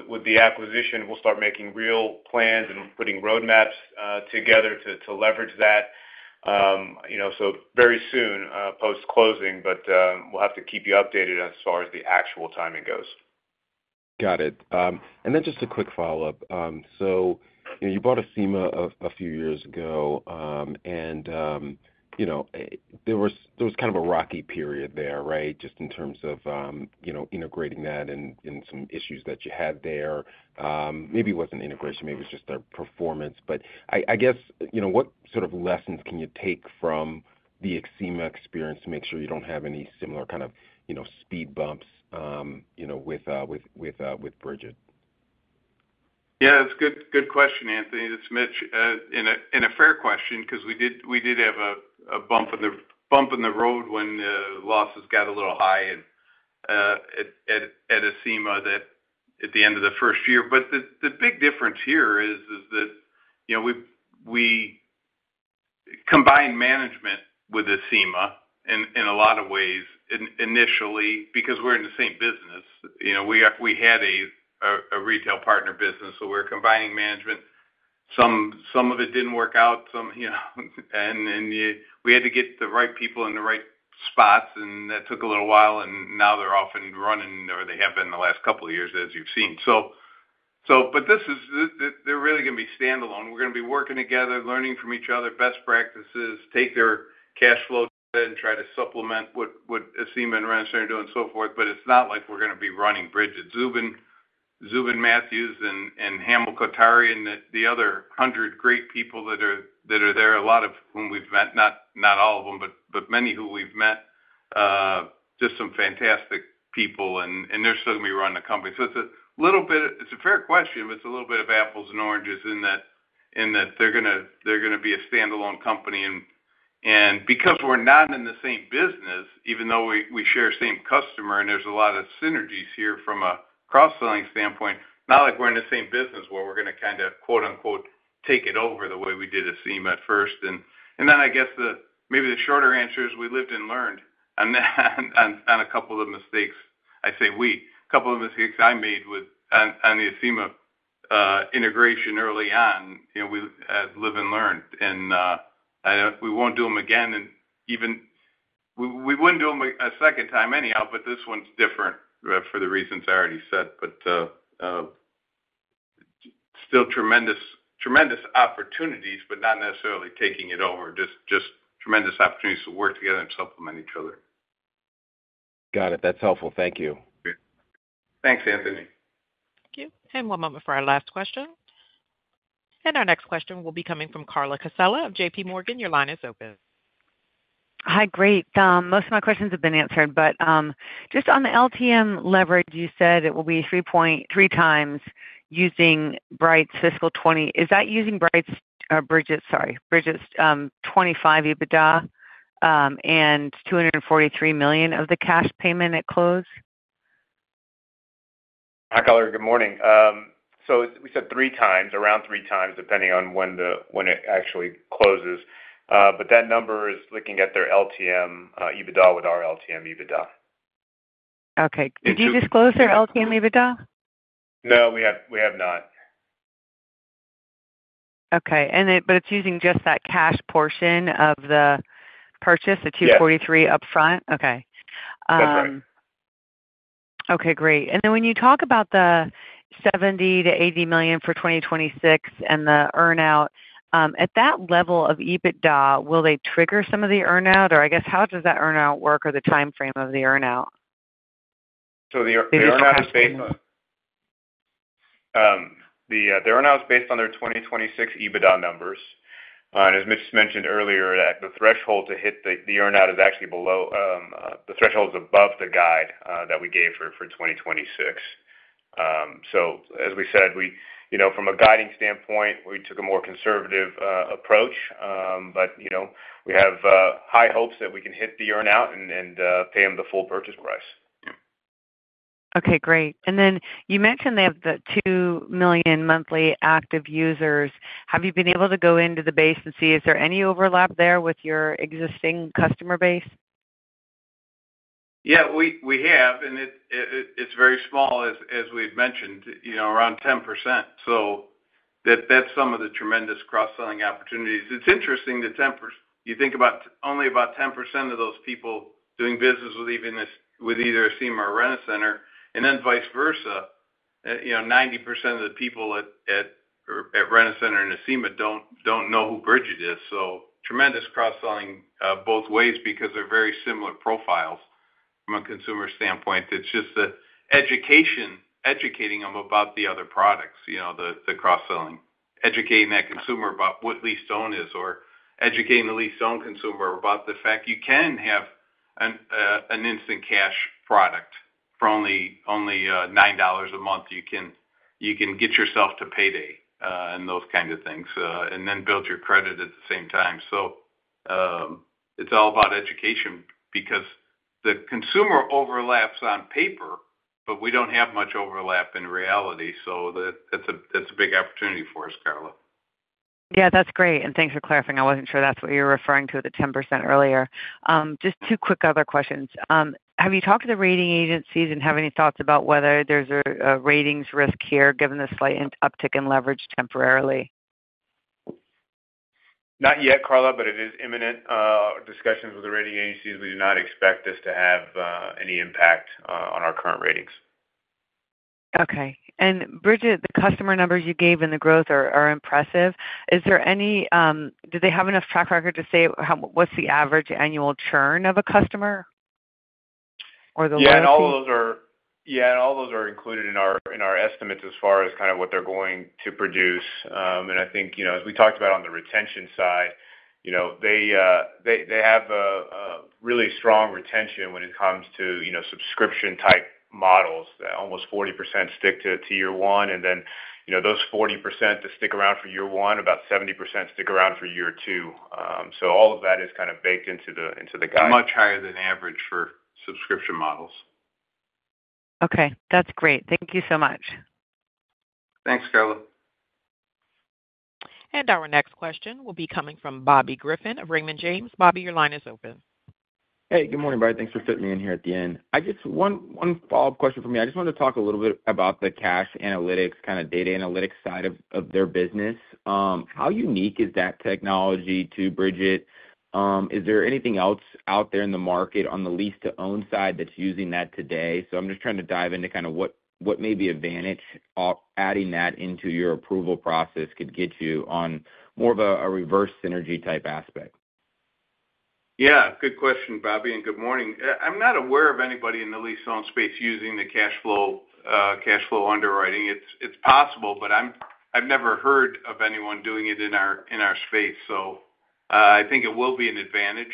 with the acquisition, we'll start making real plans and putting roadmaps together to leverage that. So very soon post-closing, but we'll have to keep you updated as far as the actual timing goes. Got it. And then just a quick follow-up. So you bought Acima a few years ago, and there was kind of a rocky period there, right, just in terms of integrating that and some issues that you had there. Maybe it wasn't integration. Maybe it was just their performance. But I guess what sort of lessons can you take from the Acima experience to make sure you don't have any similar kind of speed bumps with Brigit? Yeah. That's a good question, Anthony. It's Mitch. That's a fair question because we did have a bump in the road when the losses got a little high at Acima at the end of the first year. But the big difference here is that we combined management with Acima in a lot of ways initially because we're in the same business. We had a retail partner business, so we were combining management. Some of it didn't work out. And we had to get the right people in the right spots, and that took a little while. And now they're off and running, or they have been the last couple of years, as you've seen. But they're really going to be standalone. We're going to be working together, learning from each other, best practices, take their cash flow data and try to supplement what Acima and Rent-A-Center are doing, and so forth. But it's not like we're going to be running Brigit, Zubin Matthews, and Hamel Kothari, and the other hundred great people that are there, a lot of whom we've met, not all of them, but many who we've met, just some fantastic people. And they're still going to be running the company. So it's a little bit a fair question, but it's a little bit of apples and oranges in that they're going to be a standalone company. And because we're not in the same business, even though we share the same customer, and there's a lot of synergies here from a cross-selling standpoint, not like we're in the same business where we're going to kind of, quote-unquote, "take it over" the way we did Acima at first. And then I guess maybe the shorter answer is we lived and learned on a couple of the mistakes. I say we. A couple of mistakes I made on the Acima integration early on, we lived and learned. We won't do them again. We wouldn't do them a second time anyhow, but this one's different for the reasons I already said. Still tremendous opportunities, but not necessarily taking it over. Just tremendous opportunities to work together and supplement each other. Got it. That's helpful. Thank you. Thanks, Anthony. Thank you. One moment for our last question. Our next question will be coming from Carla Casella of JPMorgan. Your line is open. Hi. Great. Most of my questions have been answered. Just on the LTM leverage, you said it will be 3.3 times using Brigit's fiscal 2020. Is that using Brigit's—Brigit's 2025 EBITDA and $243 million of the cash payment at close? Hi, Carla. Good morning. We said three times, around three times, depending on when it actually closes. But that number is looking at their LTM EBITDA with our LTM EBITDA. Okay. Did you disclose their LTM EBITDA? No. We have not. Okay. But it's using just that cash portion of the purchase, the $243 million upfront? Yes. That's right. Okay. Great. And then when you talk about the $70 million-$80 million for 2026 and the earnout, at that level of EBITDA, will they trigger some of the earnout? Or I guess how does that earnout work or the timeframe of the earnout? The earnout is based on their 2026 EBITDA numbers. And as Mitch mentioned earlier, the threshold to hit the earnout is actually below the threshold. Is above the guide that we gave for 2026. So as we said, from a guiding standpoint, we took a more conservative approach. But we have high hopes that we can hit the earnout and pay them the full purchase price. Okay. Great. And then you mentioned they have the 2 million monthly active users. Have you been able to go into the base and see if there's any overlap there with your existing customer base? Yeah. We have. And it's very small, as we've mentioned, around 10%. So that's some of the tremendous cross-selling opportunities. It's interesting that you think only about 10% of those people doing business with either Acima or Rent-A-Center, and then vice versa, 90% of the people at Rent-A-Center and Acima don't know who Brigit is. So tremendous cross-selling both ways because they're very similar profiles from a consumer standpoint. It's just the educating them about the other products, the cross-selling, educating that consumer about what lease-to-own is or educating the LeaseOwn consumer about the fact you can have an instant cash product for only $9 a month. You can get yourself to payday and those kinds of things and then build your credit at the same time. So it's all about education because the consumer overlaps on paper, but we don't have much overlap in reality. So that's a big opportunity for us, Carla. Yeah. That's great. And thanks for clarifying. I wasn't sure that's what you were referring to with the 10% earlier. Just two quick other questions. Have you talked to the rating agencies and have any thoughts about whether there's a ratings risk here given the slight uptick in leverage temporarily? Not yet, Carla, but it is imminent. Our discussions with the rating agencies, we do not expect this to have any impact on our current ratings. Okay. And Brigit, the customer numbers you gave and the growth are impressive. Is there any? Do they have enough track record to say what's the average annual churn of a customer or the leverage? Yeah. And all those are included in our estimates as far as kind of what they're going to produce. And I think as we talked about on the retention side, they have a really strong retention when it comes to subscription-type models. Almost 40% stick to year one. And then those 40% that stick around for year one, about 70% stick around for year two. So all of that is kind of baked into the guide. It's much higher than average for subscription models. Okay. That's great. Thank you so much. Thanks, Carla. And our next question will be coming from Bobby Griffin of Raymond James. Bobby, your line is open. Hey. Good morning, buddy. Thanks for fitting me in here at the end. I guess one follow-up question for me. I just wanted to talk a little bit about the cash analytics, kind of data analytics side of their business. How unique is that technology to Brigit? Is there anything else out there in the market on the lease-to-own side that's using that today? So I'm just trying to dive into kind of what may be advantage adding that into your approval process could get you on more of a reverse synergy type aspect. Yeah. Good question, Bobby. And good morning. I'm not aware of anybody in the lease-to-own space using the cash flow underwriting. It's possible, but I've never heard of anyone doing it in our space. So I think it will be an advantage.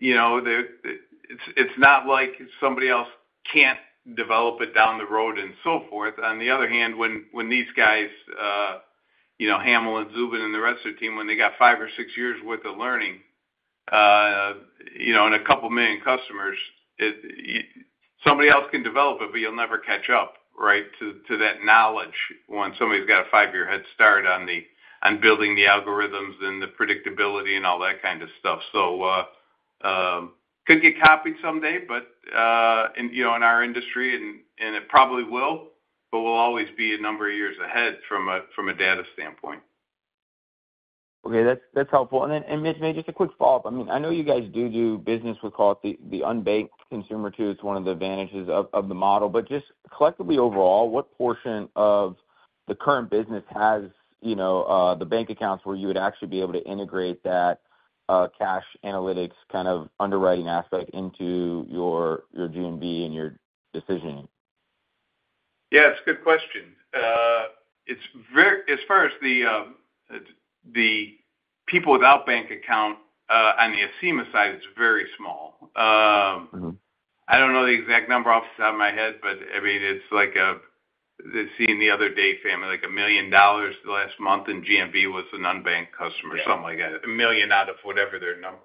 It's not like somebody else can't develop it down the road and so forth. On the other hand, when these guys, Hamel and Zubin and the rest of the team, when they got five or six years' worth of learning and a couple of million customers, somebody else can develop it, but you'll never catch up, right, to that knowledge when somebody's got a five-year head start on building the algorithms and the predictability and all that kind of stuff. So could get copied someday, but in our industry, and it probably will, but we'll always be a number of years ahead from a data standpoint. Okay. That's helpful, and then just a quick follow-up. I mean, I know you guys do do business with the unbanked consumer too. It's one of the advantages of the model. But just collectively overall, what portion of the current business has the bank accounts where you would actually be able to integrate that cash analytics kind of underwriting aspect into your GMV and your decisioning? Yeah. That's a good question. As far as the people without bank account on the Acima side, it's very small. I don't know the exact number off the top of my head, but I mean, it's like a - I saw the other day, like $1 million the last month in GMV was an unbanked customer, something like that. $1 million out of whatever their number,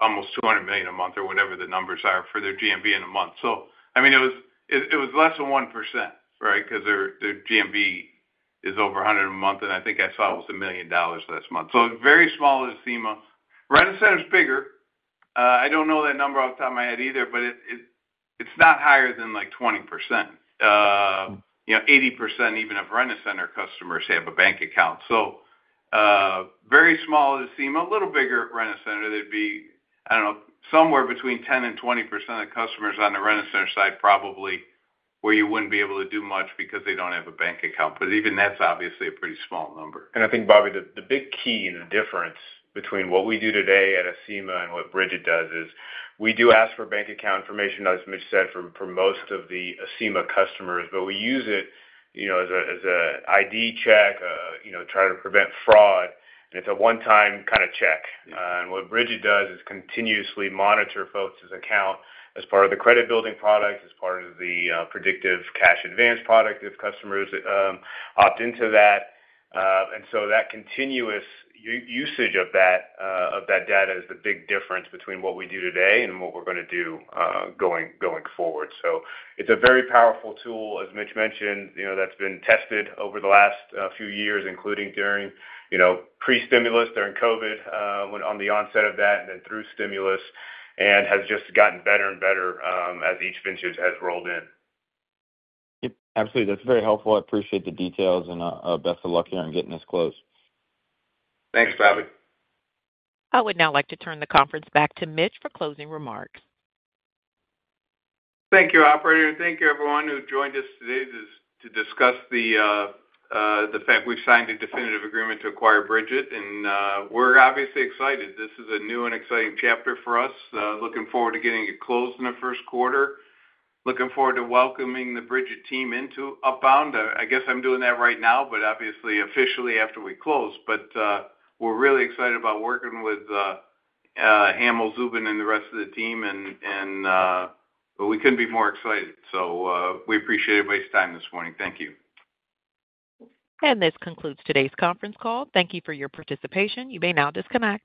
almost $200 million a month or whatever the numbers are for their GMV in a month. So I mean, it was less than 1%, right, because their GMV is over $100 million a month. And I think I saw it was $1 million last month. So very small at Acima. Rent-A-Center's bigger. I don't know that number off the top of my head either, but it's not higher than like 20%. 80% even of Rent-A-Center customers have a bank account. So very small at Acima, a little bigger at Rent-A-Center. There'd be, I don't know, somewhere between 10% and 20% of customers on the Rent-A-Center side probably where you wouldn't be able to do much because they don't have a bank account. But even that's obviously a pretty small number, and I think, Bobby, the big key and the difference between what we do today at Acima and what Brigit does is we do ask for bank account information, as Mitch said, for most of the Acima customers, but we use it as an ID check, try to prevent fraud, and it's a one-time kind of check. And what Brigit does is continuously monitor folks' accounts as part of the credit-building product, as part of the predictive cash advance product if customers opt into that. And so that continuous usage of that data is the big difference between what we do today and what we're going to do going forward. So it's a very powerful tool, as Mitch mentioned, that's been tested over the last few years, including during pre-stimulus, during COVID on the onset of that, and then through stimulus, and has just gotten better and better as each event has rolled in. Absolutely. That's very helpful. I appreciate the details. And best of luck here in getting this closed. Thanks, Bobby. I would now like to turn the conference back to Mitch for closing remarks. Thank you, operator. Thank you, everyone who joined us today to discuss the fact we've signed a definitive agreement to acquire Brigit, and we're obviously excited. This is a new and exciting chapter for us. Looking forward to getting it closed in the first quarter. Looking forward to welcoming the Brigit team Upbound. I guess I'm doing that right now, but obviously officially after we close, but we're really excited about working with Hamel, Zubin, and the rest of the team, and we couldn't be more excited, so we appreciate everybody's time this morning. Thank you. And this concludes today's conference call. Thank you for your participation. You may now disconnect.